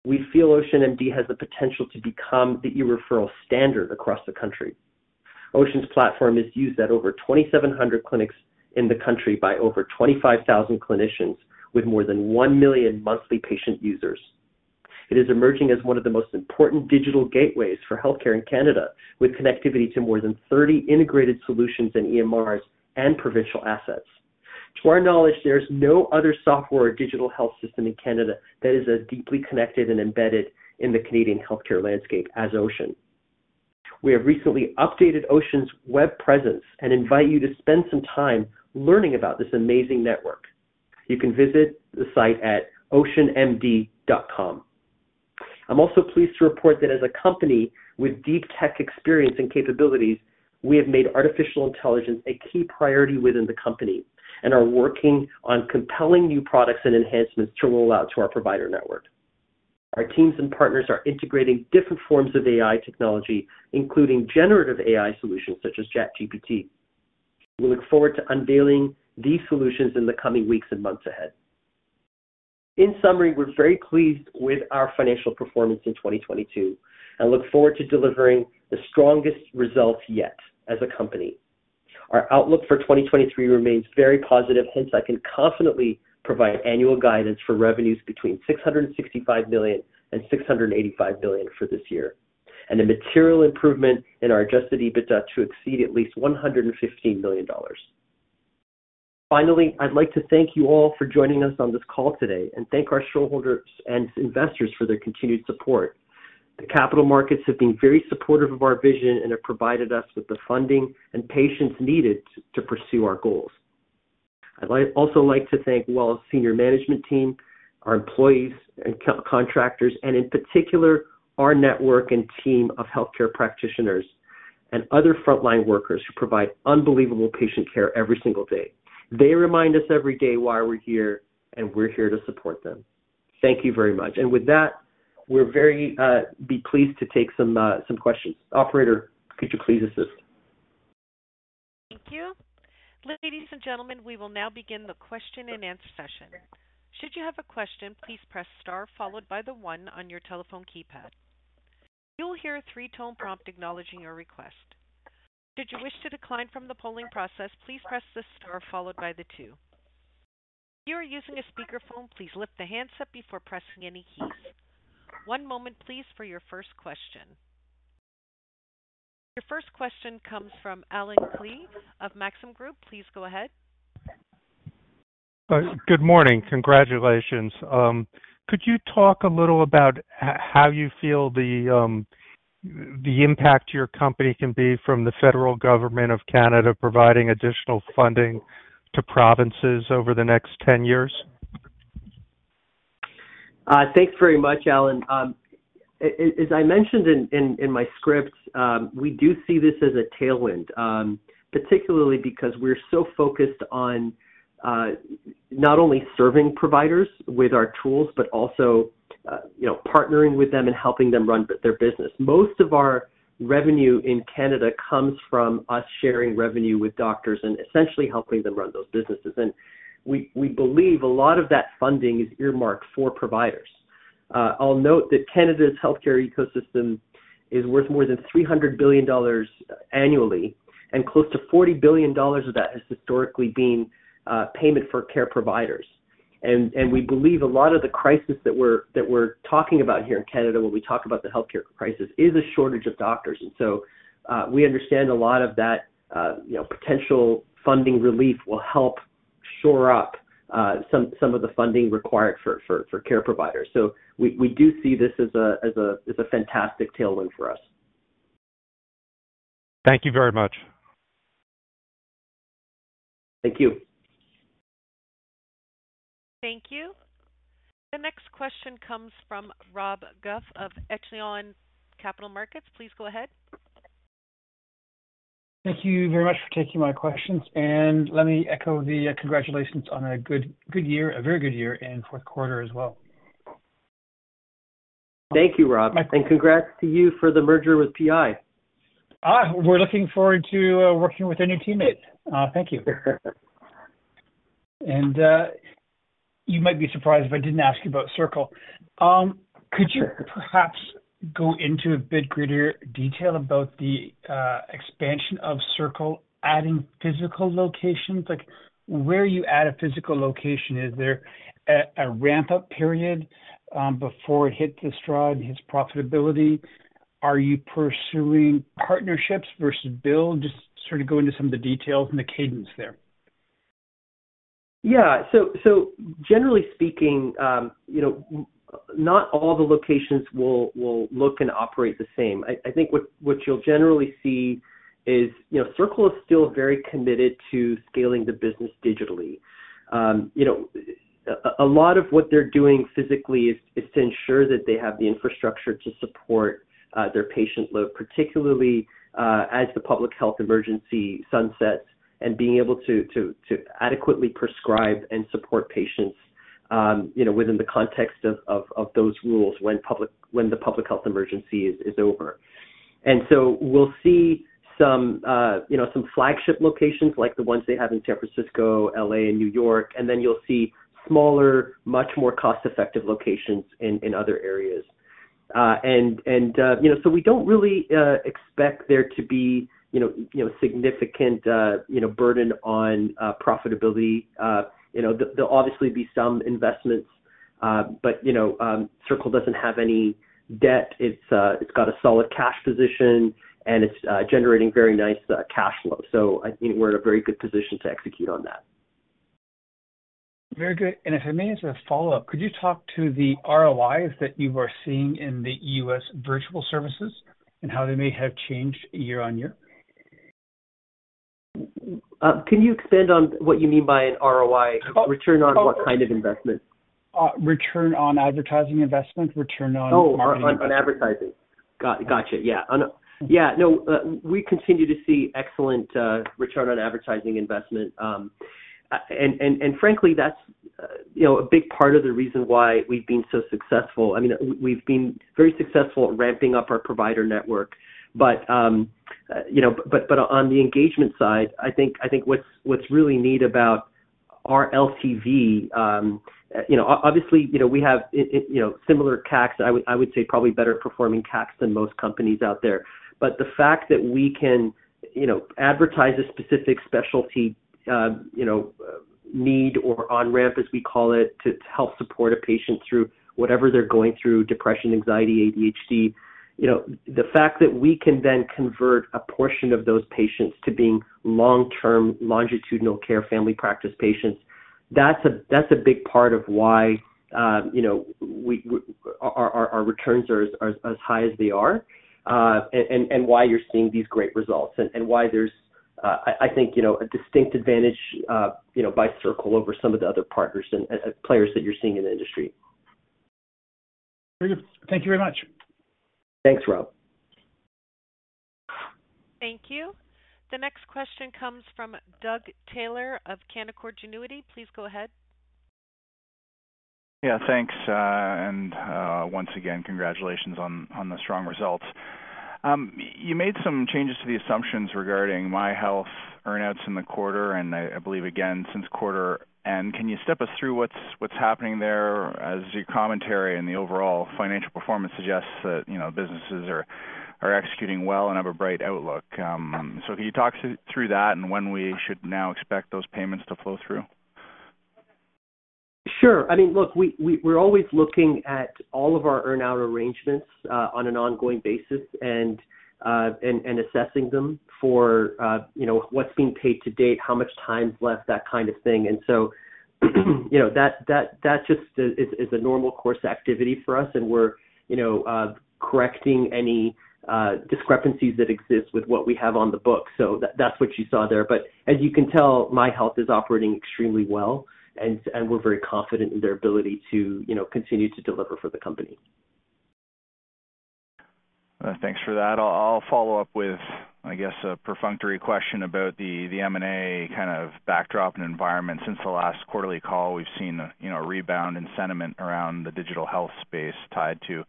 We feel OceanMD has the potential to become the eReferral standard across the country. Ocean's platform is used at over 2,700 clinics in the country by over 25,000 clinicians with more than 1 million monthly patient users. It is emerging as one of the most important digital gateways for healthcare in Canada, with connectivity to more than 30 integrated solutions and EMRs and provincial assets. To our knowledge, there's no other software or digital health system in Canada that is as deeply connected and embedded in the Canadian healthcare landscape as Ocean. We have recently updated Ocean's web presence and invite you to spend some time learning about this amazing network. You can visit the site at oceanmd.com. I'm also pleased to report that as a company with deep tech experience and capabilities, we have made artificial intelligence a key priority within the company and are working on compelling new products and enhancements to roll out to our provider network. Our teams and partners are integrating different forms of AI technology, including generative AI solutions such as ChatGPT. We look forward to unveiling these solutions in the coming weeks and months ahead. In summary, we're very pleased with our financial performance in 2022 and look forward to delivering the strongest results yet as a company. Our outlook for 2023 remains very positive. I can confidently provide annual guidance for revenues between 665 million and 685 million for this year, and a material improvement in our Adjusted EBITDA to exceed at least 115 million dollars. Finally, I'd like to thank you all for joining us on this call today and thank our shareholders and investors for their continued support. The capital markets have been very supportive of our vision and have provided us with the funding and patience needed to pursue our goals. I'd also like to thank WELL's senior management team, our employees and contractors, and in particular, our network and team of healthcare practitioners and other frontline workers who provide unbelievable patient care every single day. They remind us every day why we're here, and we're here to support them. Thank you very much. With that, we're very, be pleased to take some questions. Operator, could you please assist? Thank you. Ladies and gentlemen, we will now begin the question-and-answer session. Should you have a question, please press star followed by one on your telephone keypad. You will hear a three-tone prompt acknowledging your request. Should you wish to decline from the polling process, please press the star followed by two. If you are using a speakerphone, please lift the handset before pressing any keys. One moment please for your first question. Your first question comes from Allen Klee of Maxim Group. Please go ahead. Good morning. Congratulations. Could you talk a little about how you feel the impact to your company can be from the federal government of Canada providing additional funding to provinces over the next 10 years? Thanks very much, Allen. As I mentioned in my script, we do see this as a tailwind, particularly because we're so focused on not only serving providers with our tools, but also, you know, partnering with them and helping them run their business. Most of our revenue in Canada comes from us sharing revenue with doctors and essentially helping them run those businesses. We believe a lot of that funding is earmarked for providers. I'll note that Canada's healthcare ecosystem is worth more than 300 billion dollars annually, close to 40 billion dollars of that has historically been payment for care providers. We believe a lot of the crisis that we're talking about here in Canada when we talk about the healthcare crisis is a shortage of doctors. We understand a lot of that, you know, potential funding relief will help shore up, some of the funding required for care providers. We do see this as a fantastic tailwind for us. Thank you very much. Thank you. Thank you. The next question comes from Rob Goff of Echelon Capital Markets. Please go ahead. Thank you very much for taking my questions. Let me echo the congratulations on a good year, a very good year and fourth quarter as well. Thank you, Rob. Congrats to you for the merger with PI. We're looking forward to working with our new teammate. Thank you. You might be surprised if I didn't ask you about Circle. Could you perhaps go into a bit greater detail about the expansion of Circle adding physical locations? Like, where you add a physical location, is there a ramp-up period before it hits its stride, hits profitability? Are you pursuing partnerships versus build? Just sort of go into some of the details and the cadence there. Yeah. Generally speaking, you know, not all the locations will look and operate the same. I think what you'll generally see is, you know, Circle is still very committed to scaling the business digitally. You know, a lot of what they're doing physically is to ensure that they have the infrastructure to support their patient load, particularly as the public health emergency sunsets and being able to adequately prescribe and support patients, you know, within the context of those rules when the public health emergency is over. We'll see some, you know, some flagship locations like the ones they have in San Francisco, L.A., and New York, and then you'll see smaller, much more cost-effective locations in other areas. We don't really expect there to be, you know, you know, significant, you know, burden on profitability. There'll obviously be some investments. Circle doesn't have any debt. It's got a solid cash position, and it's generating very nice cash flow. I think we're in a very good position to execute on that. Very good. If I may, as a follow-up, could you talk to the ROIs that you are seeing in the U.S. virtual services and how they may have changed year-over-year? Can you expand on what you mean by an ROI? Oh. Return on what kind of investment? Return on advertising investment. On advertising. Gotcha. We continue to see excellent return on advertising investment. And frankly, that's, you know, a big part of the reason why we've been so successful. I mean, we've been very successful at ramping up our provider network. You know, on the engagement side, what's really neat about our LCV, you know, obviously, you know, we have, you know, similar tax. I would say probably better performing tax than most companies out there. The fact that we can, you know, advertise a specific specialty, you know, need or on-ramp, as we call it, to help support a patient through whatever they're going through depression, anxiety, ADHD. You know, the fact that we can then convert a portion of those patients to being long-term longitudinal care family practice patients, that's a, that's a big part of why, you know, our returns are as high as they are, and why you're seeing these great results and why there's, I think, you know, a distinct advantage, you know, by Circle over some of the other partners and players that you're seeing in the industry. Very good. Thank you very much. Thanks, Rob. Thank you. The next question comes from Doug Taylor of Canaccord Genuity. Please go ahead. Yeah, thanks. Once again, congratulations on the strong results. You made some changes to the assumptions regarding MyHealth earnouts in the quarter, and I believe again since quarter. Can you step us through what's happening there as your commentary and the overall financial performance suggests that, you know, businesses are executing well and have a bright outlook? Can you talk through that and when we should now expect those payments to flow through? Sure. I mean, look, we're always looking at all of our earnout arrangements on an ongoing basis and assessing them for, you know, what's being paid to date, how much time's left, that kind of thing. You know, that just is a normal course activity for us, and we're, you know, correcting any discrepancies that exist with what we have on the book. That's what you saw there. As you can tell, MyHealth is operating extremely well and we're very confident in their ability to, you know, continue to deliver for the company. Thanks for that. I'll follow up with, I guess, a perfunctory question about the M&A kind of backdrop and environment. Since the last quarterly call, we've seen a, you know, rebound in sentiment around the digital health space tied to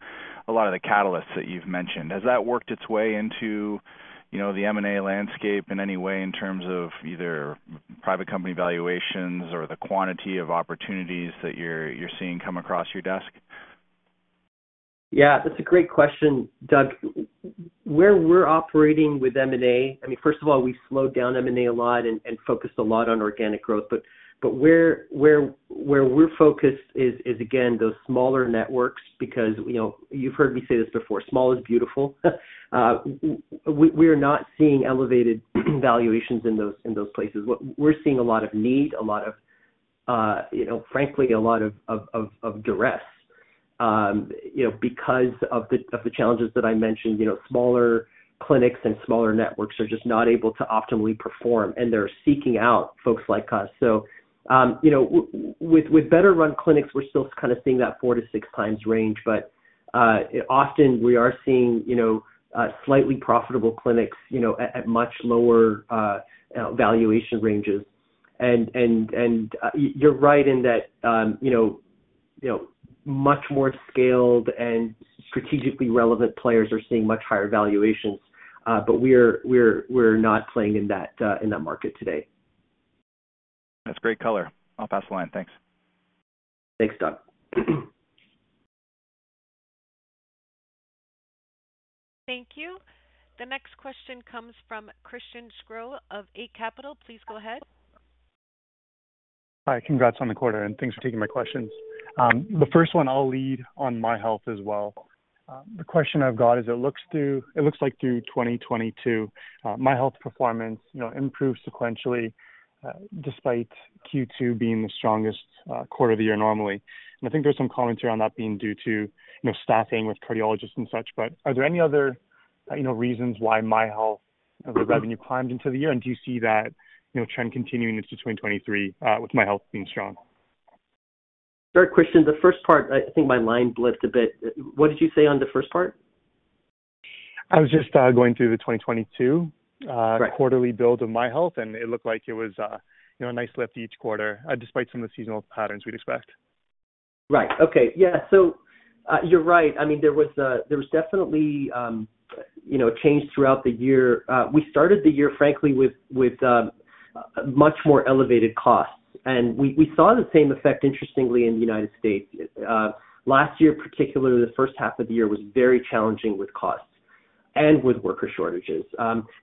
a lot of the catalysts that you've mentioned. Has that worked its way into, you know, the M&A landscape in any way in terms of either private company valuations or the quantity of opportunities that you're seeing come across your desk? Yeah, that's a great question, Doug. Where we're operating with M&A, I mean, first of all, we slowed down M&A a lot and focused a lot on organic growth. Where we're focused is again those smaller networks because, you know, you've heard me say this before, small is beautiful. We're not seeing elevated valuations in those, in those places. We're seeing a lot of need, a lot of, you know, frankly a lot of duress, you know, because of the challenges that I mentioned. You know, smaller clinics and smaller networks are just not able to optimally perform, and they're seeking out folks like us. With better-run clinics, we're still kind of seeing that four-six times range. Often we are seeing, you know, slightly profitable clinics, you know, at much lower valuation ranges. You're right in that, you know, much more scaled and strategically relevant players are seeing much higher valuations. We're not playing in that market today. That's great color. I'll pass the line. Thanks. Thanks, Doug. Thank you. The next question comes from Christian Sgro of Eight Capital. Please go ahead. Hi. Congrats on the quarter. Thanks for taking my questions. The first one I'll lead on MyHealth as well. The question I've got is: it looks like through 2022, MyHealth performance, you know, improved sequentially, despite Q2 being the strongest quarter of the year normally. I think there's some commentary on that being due to, you know, staffing with cardiologists and such. Are there any other, you know, reasons why MyHealth, the revenue climbed into the year? Do you see that, you know, trend continuing into 2023, with MyHealth being strong? Sure, Christian. The first part, I think my line blipped a bit. What did you say on the first part? I was just going through the 2022. Right... quarterly build of MyHealth, it looked like it was, you know, a nice lift each quarter, despite some of the seasonal patterns we'd expect. Right. Okay. Yeah. You're right. I mean, there was definitely, you know, change throughout the year. We started the year, frankly, with much more elevated costs, and we saw the same effect, interestingly, in the United States. Last year, particularly the first half of the year, was very challenging with costs and with worker shortages.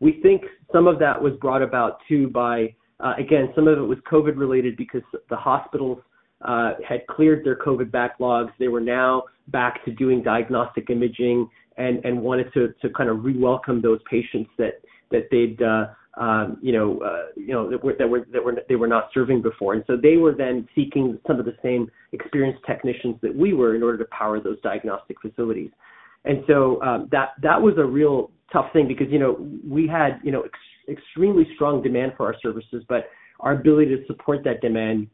We think some of that was brought about too by again, some of it was COVID related because the hospitals had cleared their COVID backlogs. They were now back to doing diagnostic imaging and wanted to kind of re-welcome those patients that they'd, you know, that they were not serving before. They were then seeking some of the same experienced technicians that we were in order to power those diagnostic facilities. That was a real tough thing because, you know, we had, you know, extremely strong demand for our services, but our ability to support that demand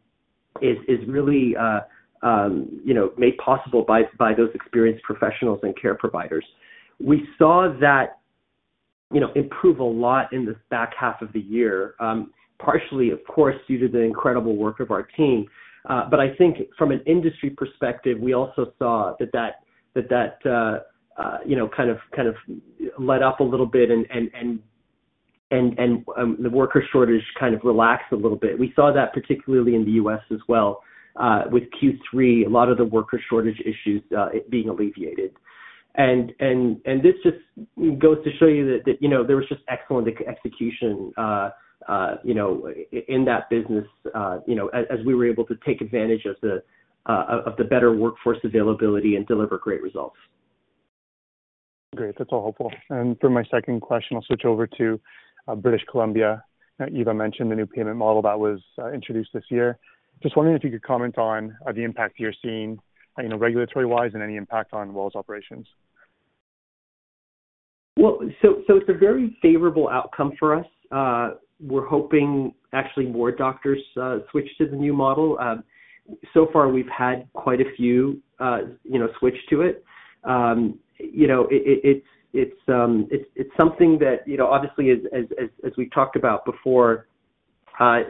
is really, you know, made possible by those experienced professionals and care providers. We saw that, you know, improve a lot in the back half of the year. Partially, of course, due to the incredible work of our team. I think from an industry perspective, we also saw that, you know, kind of let up a little bit and the worker shortage kind of relaxed a little bit. We saw that particularly in the U.S. as well, with Q3, a lot of the worker shortage issues, being alleviated. This just goes to show you that, you know, there was just excellent execution in that business, you know, as we were able to take advantage of the better workforce availability and deliver great results. Great. That's all helpful. For my second question, I'll switch over to British Columbia. Eva mentioned the new payment model that was introduced this year. Just wondering if you could comment on the impact you're seeing, you know, regulatory-wise, and any impact on WELL's operations. It's a very favorable outcome for us. We're hoping actually more doctors switch to the new model. So far, we've had quite a few, you know, switch to it. You know, it's something that, you know, obviously as we've talked about before,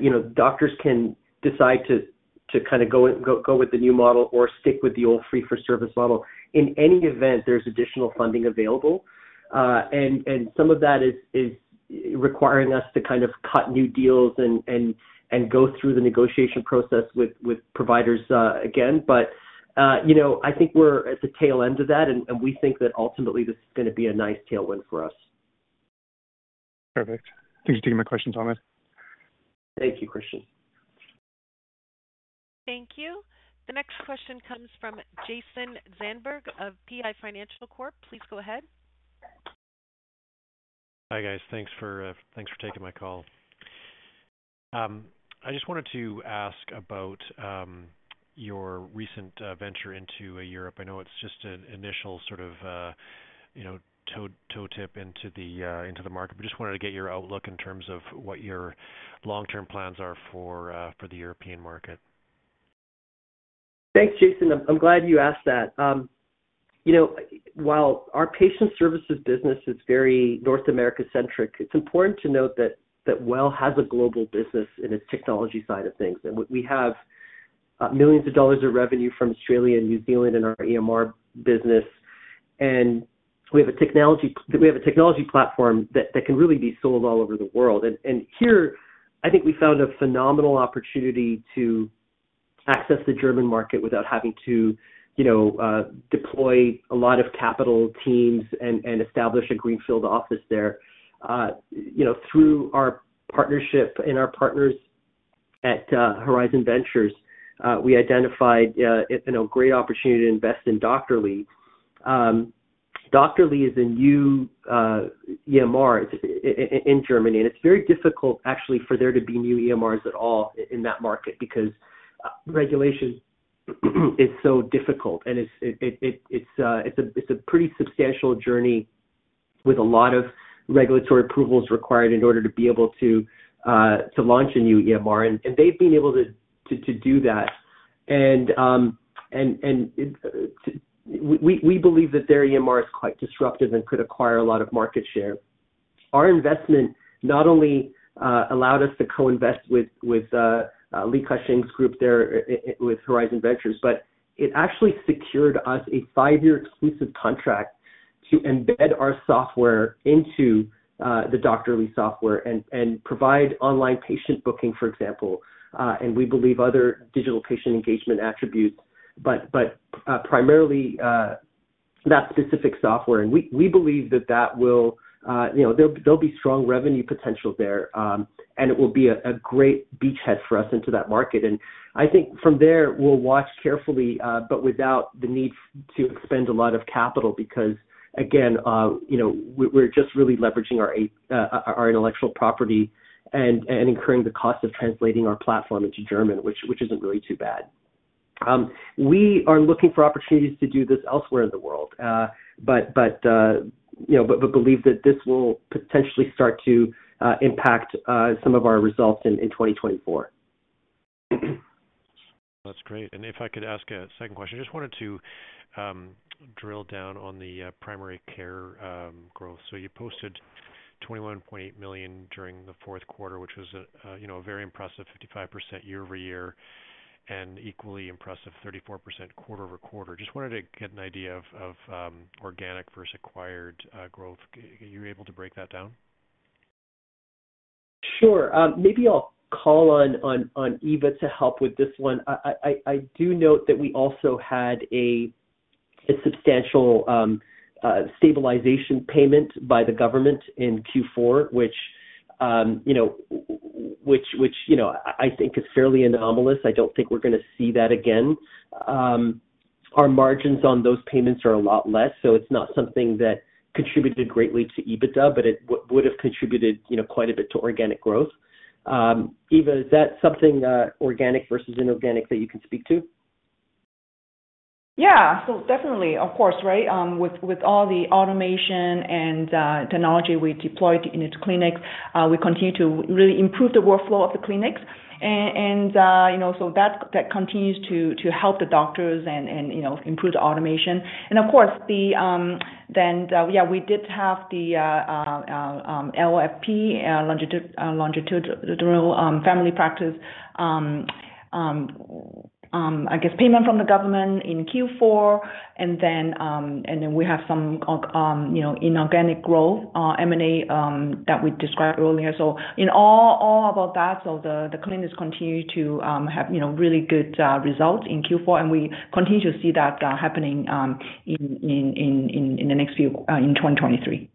you know, doctors can decide to kind of go with the new model or stick with the old fee-for-service model. In any event, there's additional funding available, and some of that is requiring us to kind of cut new deals and go through the negotiation process with providers again. You know, I think we're at the tail end of that, and we think that ultimately this is gonna be a nice tailwind for us. Perfect. Thanks for taking my questions, Thomas. Thank you, Christian. Thank you. The next question comes from Jason Zandberg of PI Financial Corp. Please go ahead. Hi, guys. Thanks for taking my call. I just wanted to ask about your recent venture into Europe. I know it's just an initial sort of, you know, toe tip into the market, but just wanted to get your outlook in terms of what your long-term plans are for the European market. Thanks, Jason. I'm glad you asked that. You know, while our patient services business is very North America-centric, it's important to note that WELL has a global business in its technology side of things. We have millions of CAD of revenue from Australia and New Zealand in our EMR business. We have a technology platform that can really be sold all over the world. Here I think we found a phenomenal opportunity to access the German market without having to, you know, deploy a lot of capital teams and establish a greenfield office there. You know, through our partnership and our partners at Horizons Ventures, we identified, you know, a great opportunity to invest in Doctorly. Doctorly is a new EMR in Germany, and it's very difficult actually for there to be new EMRs at all in that market because regulation is so difficult and it's a pretty substantial journey with a lot of regulatory approvals required in order to be able to launch a new EMR. We believe that their EMR is quite disruptive and could acquire a lot of market share. Our investment not only allowed us to co-invest with Li Ka-shing's group there with Horizons Ventures, but it actually secured us a five-year exclusive contract to embed our software into the Doctorly software and provide online patient booking, for example, and we believe other digital patient engagement attributes, but primarily that specific software. We believe that that will, you know, there'll be strong revenue potential there, and it will be a great beachhead for us into that market. I think from there we'll watch carefully, but without the need to expend a lot of capital because, again, you know, we're just really leveraging our intellectual property and incurring the cost of translating our platform into German, which isn't really too bad. We are looking for opportunities to do this elsewhere in the world, but, you know, believe that this will potentially start to impact some of our results in 2024. That's great. If I could ask a second question, just wanted to drill down on the primary care growth. You posted 21.8 million during the fourth quarter, which was a, you know, a very impressive 55% year-over-year and equally impressive 34% quarter-over-quarter. Just wanted to get an idea of organic versus acquired growth. Are you able to break that down? Sure. Maybe I'll call on Eva to help with this one. I do note that we also had a substantial stabilization payment by the government in Q4, which you know, I think is fairly anomalous. I don't think we're gonna see that again. Our margins on those payments are a lot less, so it's not something that contributed greatly to EBITDA, but it would have contributed, you know, quite a bit to organic growth. Eva, is that something organic versus inorganic that you can speak to? Yeah. Definitely, of course, right? With all the automation and technology we deployed into clinics, we continue to really improve the workflow of the clinics. And, you know, so that continues to help the doctors and, you know, improve the automation. Of course, the. Then, yeah, we did have the LFP, longitude, longitudinal, family practice. I guess payment from the government in Q4. Then we have some, you know, inorganic growth, M&A that we described earlier. In all, about that. The clinics continue to have, you know, really good results in Q4, and we continue to see that happening in the next few in 2023.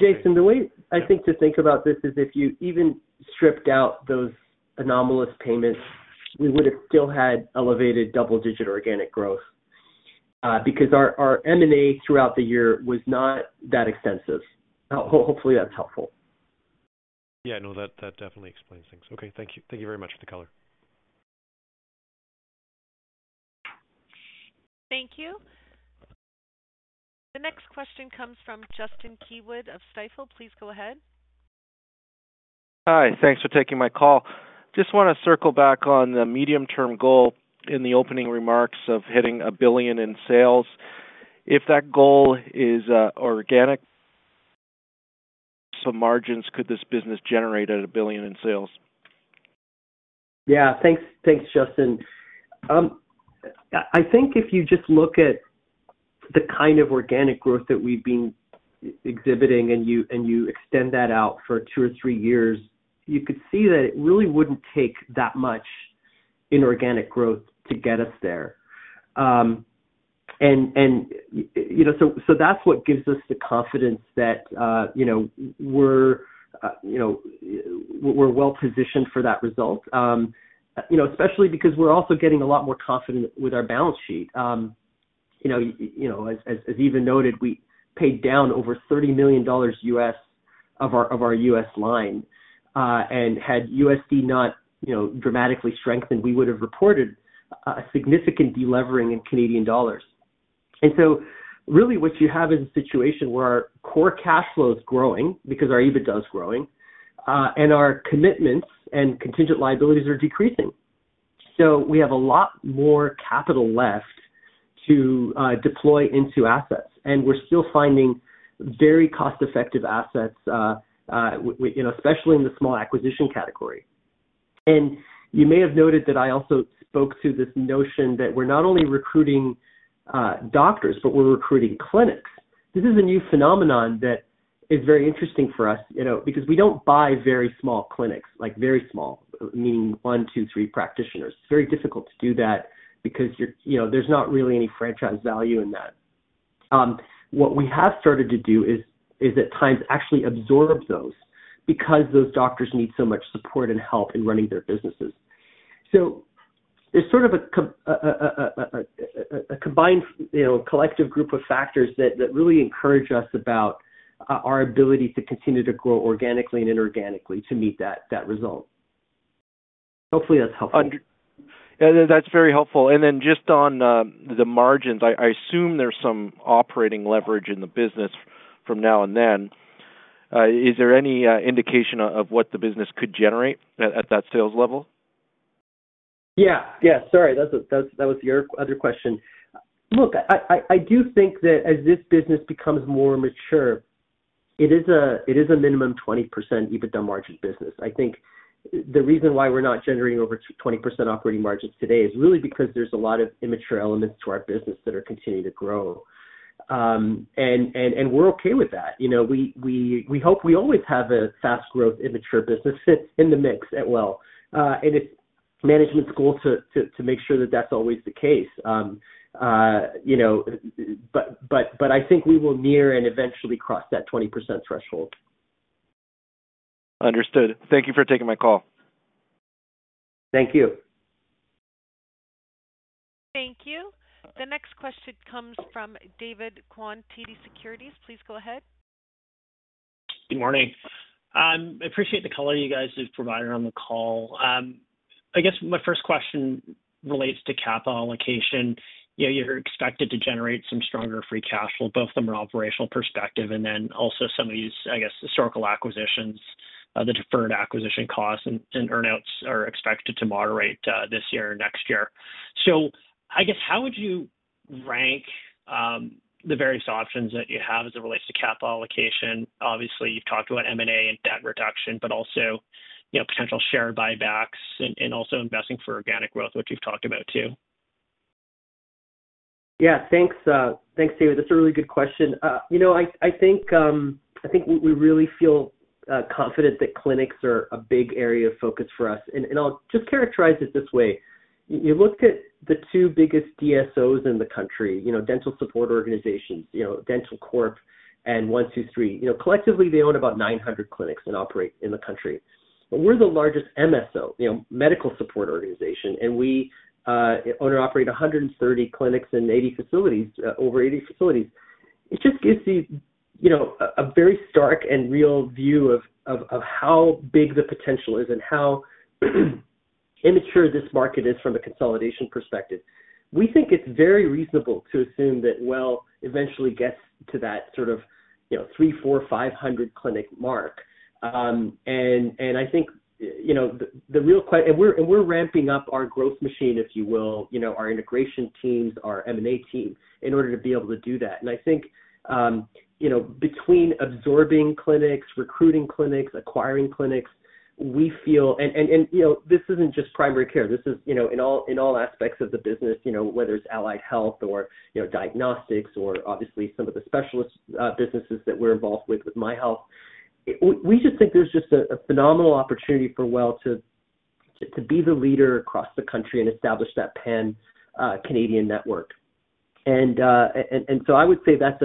Jason, the way I think to think about this is if you even stripped out those anomalous payments, we would have still had elevated double-digit organic growth because our M&A throughout the year was not that extensive. Hopefully that's helpful. Yeah. No, that definitely explains things. Okay. Thank you very much for the color. Thank you. The next question comes from Justin Keywood of Stifel. Please go ahead. Hi. Thanks for taking my call. Just wanna circle back on the medium-term goal in the opening remarks of hitting 1 billion in sales. If that goal is organic, some margins could this business generate at 1 billion in sales? Thanks, Justin. I think if you just look at the kind of organic growth that we've been exhibiting and you, and you extend that out for two or three years, you could see that it really wouldn't take that much inorganic growth to get us there. You know, so that's what gives us the confidence that, you know, we're, you know, we're well positioned for that result. You know, especially because we're also getting a lot more confident with our balance sheet. You know, as Eva noted, we paid down over $30 million U.S. of our, of our U.S. line. Had USD not, you know, dramatically strengthened, we would have reported a significant delevering in CAD. Really what you have is a situation where our core cash flow is growing because our EBITA is growing, and our commitments and contingent liabilities are decreasing. We have a lot more capital left to deploy into assets, and we're still finding very cost-effective assets, you know, especially in the small acquisition category. You may have noted that I also spoke to this notion that we're not only recruiting doctors, but we're recruiting clinics. This is a new phenomenon that is very interesting for us, you know, because we don't buy very small clinics, like very small, meaning one, two, three practitioners. It's very difficult to do that because you're, you know, there's not really any franchise value in that. What we have started to do is at times actually absorb those because those doctors need so much support and help in running their businesses. There's sort of a combined, you know, collective group of factors that really encourage us about our ability to continue to grow organically and inorganically to meet that result. Hopefully that's helpful. Yeah, that's very helpful. Then just on the margins, I assume there's some operating leverage in the business from now and then. Is there any indication of what the business could generate at that sales level? Yeah, yeah. Sorry, that's that was your other question. Look, I do think that as this business becomes more mature, it is a, it is a minimum 20% EBITDA margin business. I think the reason why we're not generating over 20% operating margins today is really because there's a lot of immature elements to our business that are continuing to grow. We're okay with that. You know, we hope we always have a fast growth immature business in the mix at WELL. It's management's goal to make sure that that's always the case. You know, I think we will near and eventually cross that 20% threshold. Understood. Thank you for taking my call. Thank you. Thank you. The next question comes from David Kwan, TD Securities. Please go ahead. Good morning. I appreciate the color you guys have provided on the call. I guess my first question relates to capital allocation. You know, you're expected to generate some stronger free cash flow, both from an operational perspective and then also some of these, I guess, historical acquisitions, the deferred acquisition costs and earn outs are expected to moderate this year or next year. I guess how would you rank the various options that you have as it relates to capital allocation? Obviously, you've talked about M&A and debt reduction, but also, you know, potential share buybacks and also investing for organic growth, which you've talked about too. Yeah, thanks, David. That's a really good question. You know, I think, I think we really feel confident that clinics are a big area of focus for us. I'll just characterize it this way. You look at the two biggest DSOs in the country, you know, dental support organizations, you know, dentalcorp and 123Dentist. You know, collectively, they own about 900 clinics and operate in the country. We're the largest MSO, you know, medical support organization, and we own or operate 130 clinics in 80 facilities, over 80 facilities. It just gives you know, a very stark and real view of how big the potential is and how immature this market is from a consolidation perspective. We think it's very reasonable to assume that WELL eventually gets to that sort of, you know, three, four, 500 clinic mark. I think, you know, the real and we're ramping up our growth machine, if you will, you know, our integration teams, our M&A team, in order to be able to do that. I think, you know, between absorbing clinics, recruiting clinics, acquiring clinics, we feel. You know, this isn't just primary care. This is, you know, in all aspects of the business, you know, whether it's allied health or, you know, diagnostics or obviously some of the specialist businesses that we're involved with with MyHealth. We just think there's just a phenomenal opportunity for WELL to be the leader across the country and establish that pan-Canadian network. I would say that's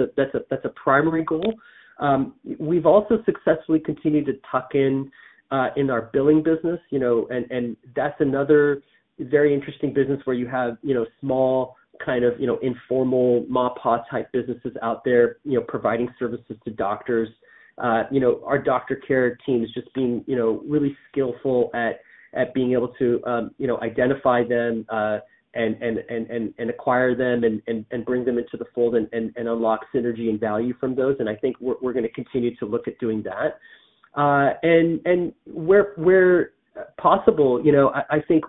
a primary goal. We've also successfully continued to tuck in in our billing business, you know, that's another very interesting business where you have, you know, small kind of, you know, informal ma and pa type businesses out there, you know, providing services to doctors. You know, our DoctorCare team is just being, you know, really skillful at being able to, you know, identify them and acquire them and bring them into the fold and unlock synergy and value from those. I think we're gonna continue to look at doing that. Where, where possible, you know, I think,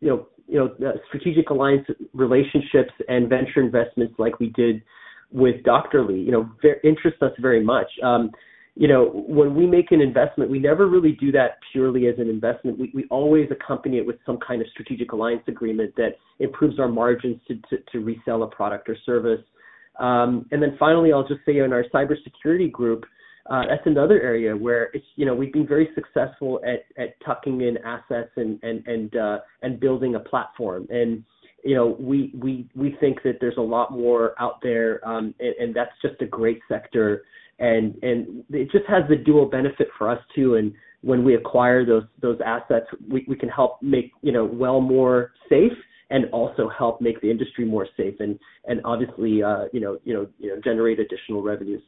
you know, you know, strategic alliance relationships and venture investments like we did with Doctorly, you know, interests us very much. You know, when we make an investment, we never really do that purely as an investment. We always accompany it with some kind of strategic alliance agreement that improves our margins to resell a product or service. Then finally, I'll just say in our cybersecurity group, that's another area where it's, you know, we've been very successful at tucking in assets and building a platform. You know, we, we think that there's a lot more out there, and that's just a great sector and it just has the dual benefit for us too. When we acquire those assets, we can help make, you know, WELL more safe and also help make the industry more safe and obviously, you know, generate additional revenues.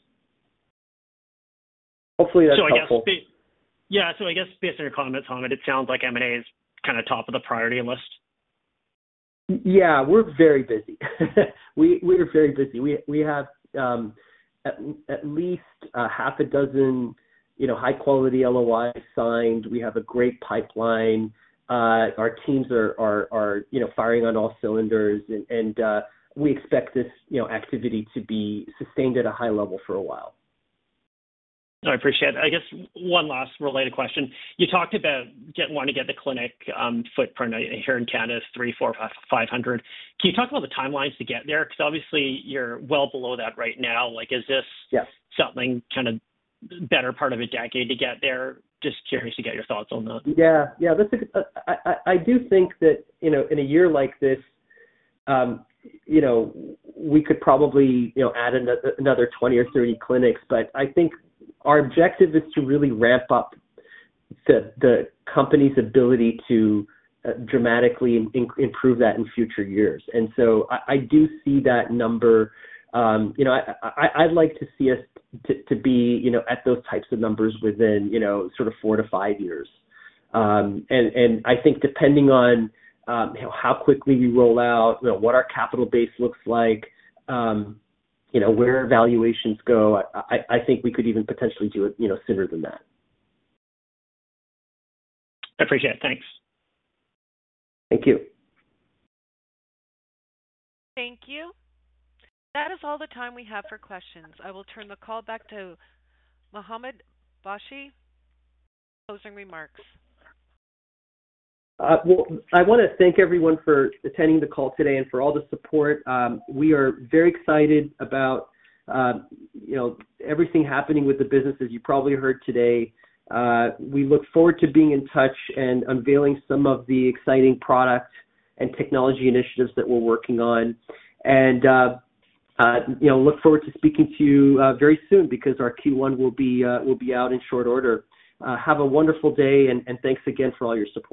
Hopefully that's helpful. I guess Yeah. I guess based on your comments, Hamed, it sounds like M&A is kind of top of the priority list. Yeah, we're very busy. We are very busy. We have at least a half a dozen, you know, high-quality LOIs signed. We have a great pipeline. Our teams are, you know, firing on all cylinders and we expect this, you know, activity to be sustained at a high level for a while. I appreciate it. I guess one last related question. You talked about wanting to get the clinic footprint here in Canada 300, 400, 500. Can you talk about the timelines to get there? Obviously you're well below that right now. Like, is this? Yes. something kind of better part of a decade to get there? Just curious to get your thoughts on that. Yeah. Yeah. That's I do think that, you know, in a year like this, you know, we could probably, you know, add another 20 or 30 clinics. I think our objective is to really ramp up the company's ability to dramatically improve that in future years. So I do see that number. You know, I'd like to see us to be, you know, at those types of numbers within, you know, sort of four to five years. And I think depending on, you know, how quickly we roll out, you know, what our capital base looks like, you know, where valuations go, I think we could even potentially do it, you know, sooner than that. I appreciate it. Thanks. Thank you. Thank you. That is all the time we have for questions. I will turn the call back to Hamed Shahbazi for closing remarks. Well, I wanna thank everyone for attending the call today and for all the support. We are very excited about, you know, everything happening with the business, as you probably heard today. We look forward to being in touch and unveiling some of the exciting product and technology initiatives that we're working on. You know, look forward to speaking to you very soon because our Q1 will be out in short order. Have a wonderful day and thanks again for all your support.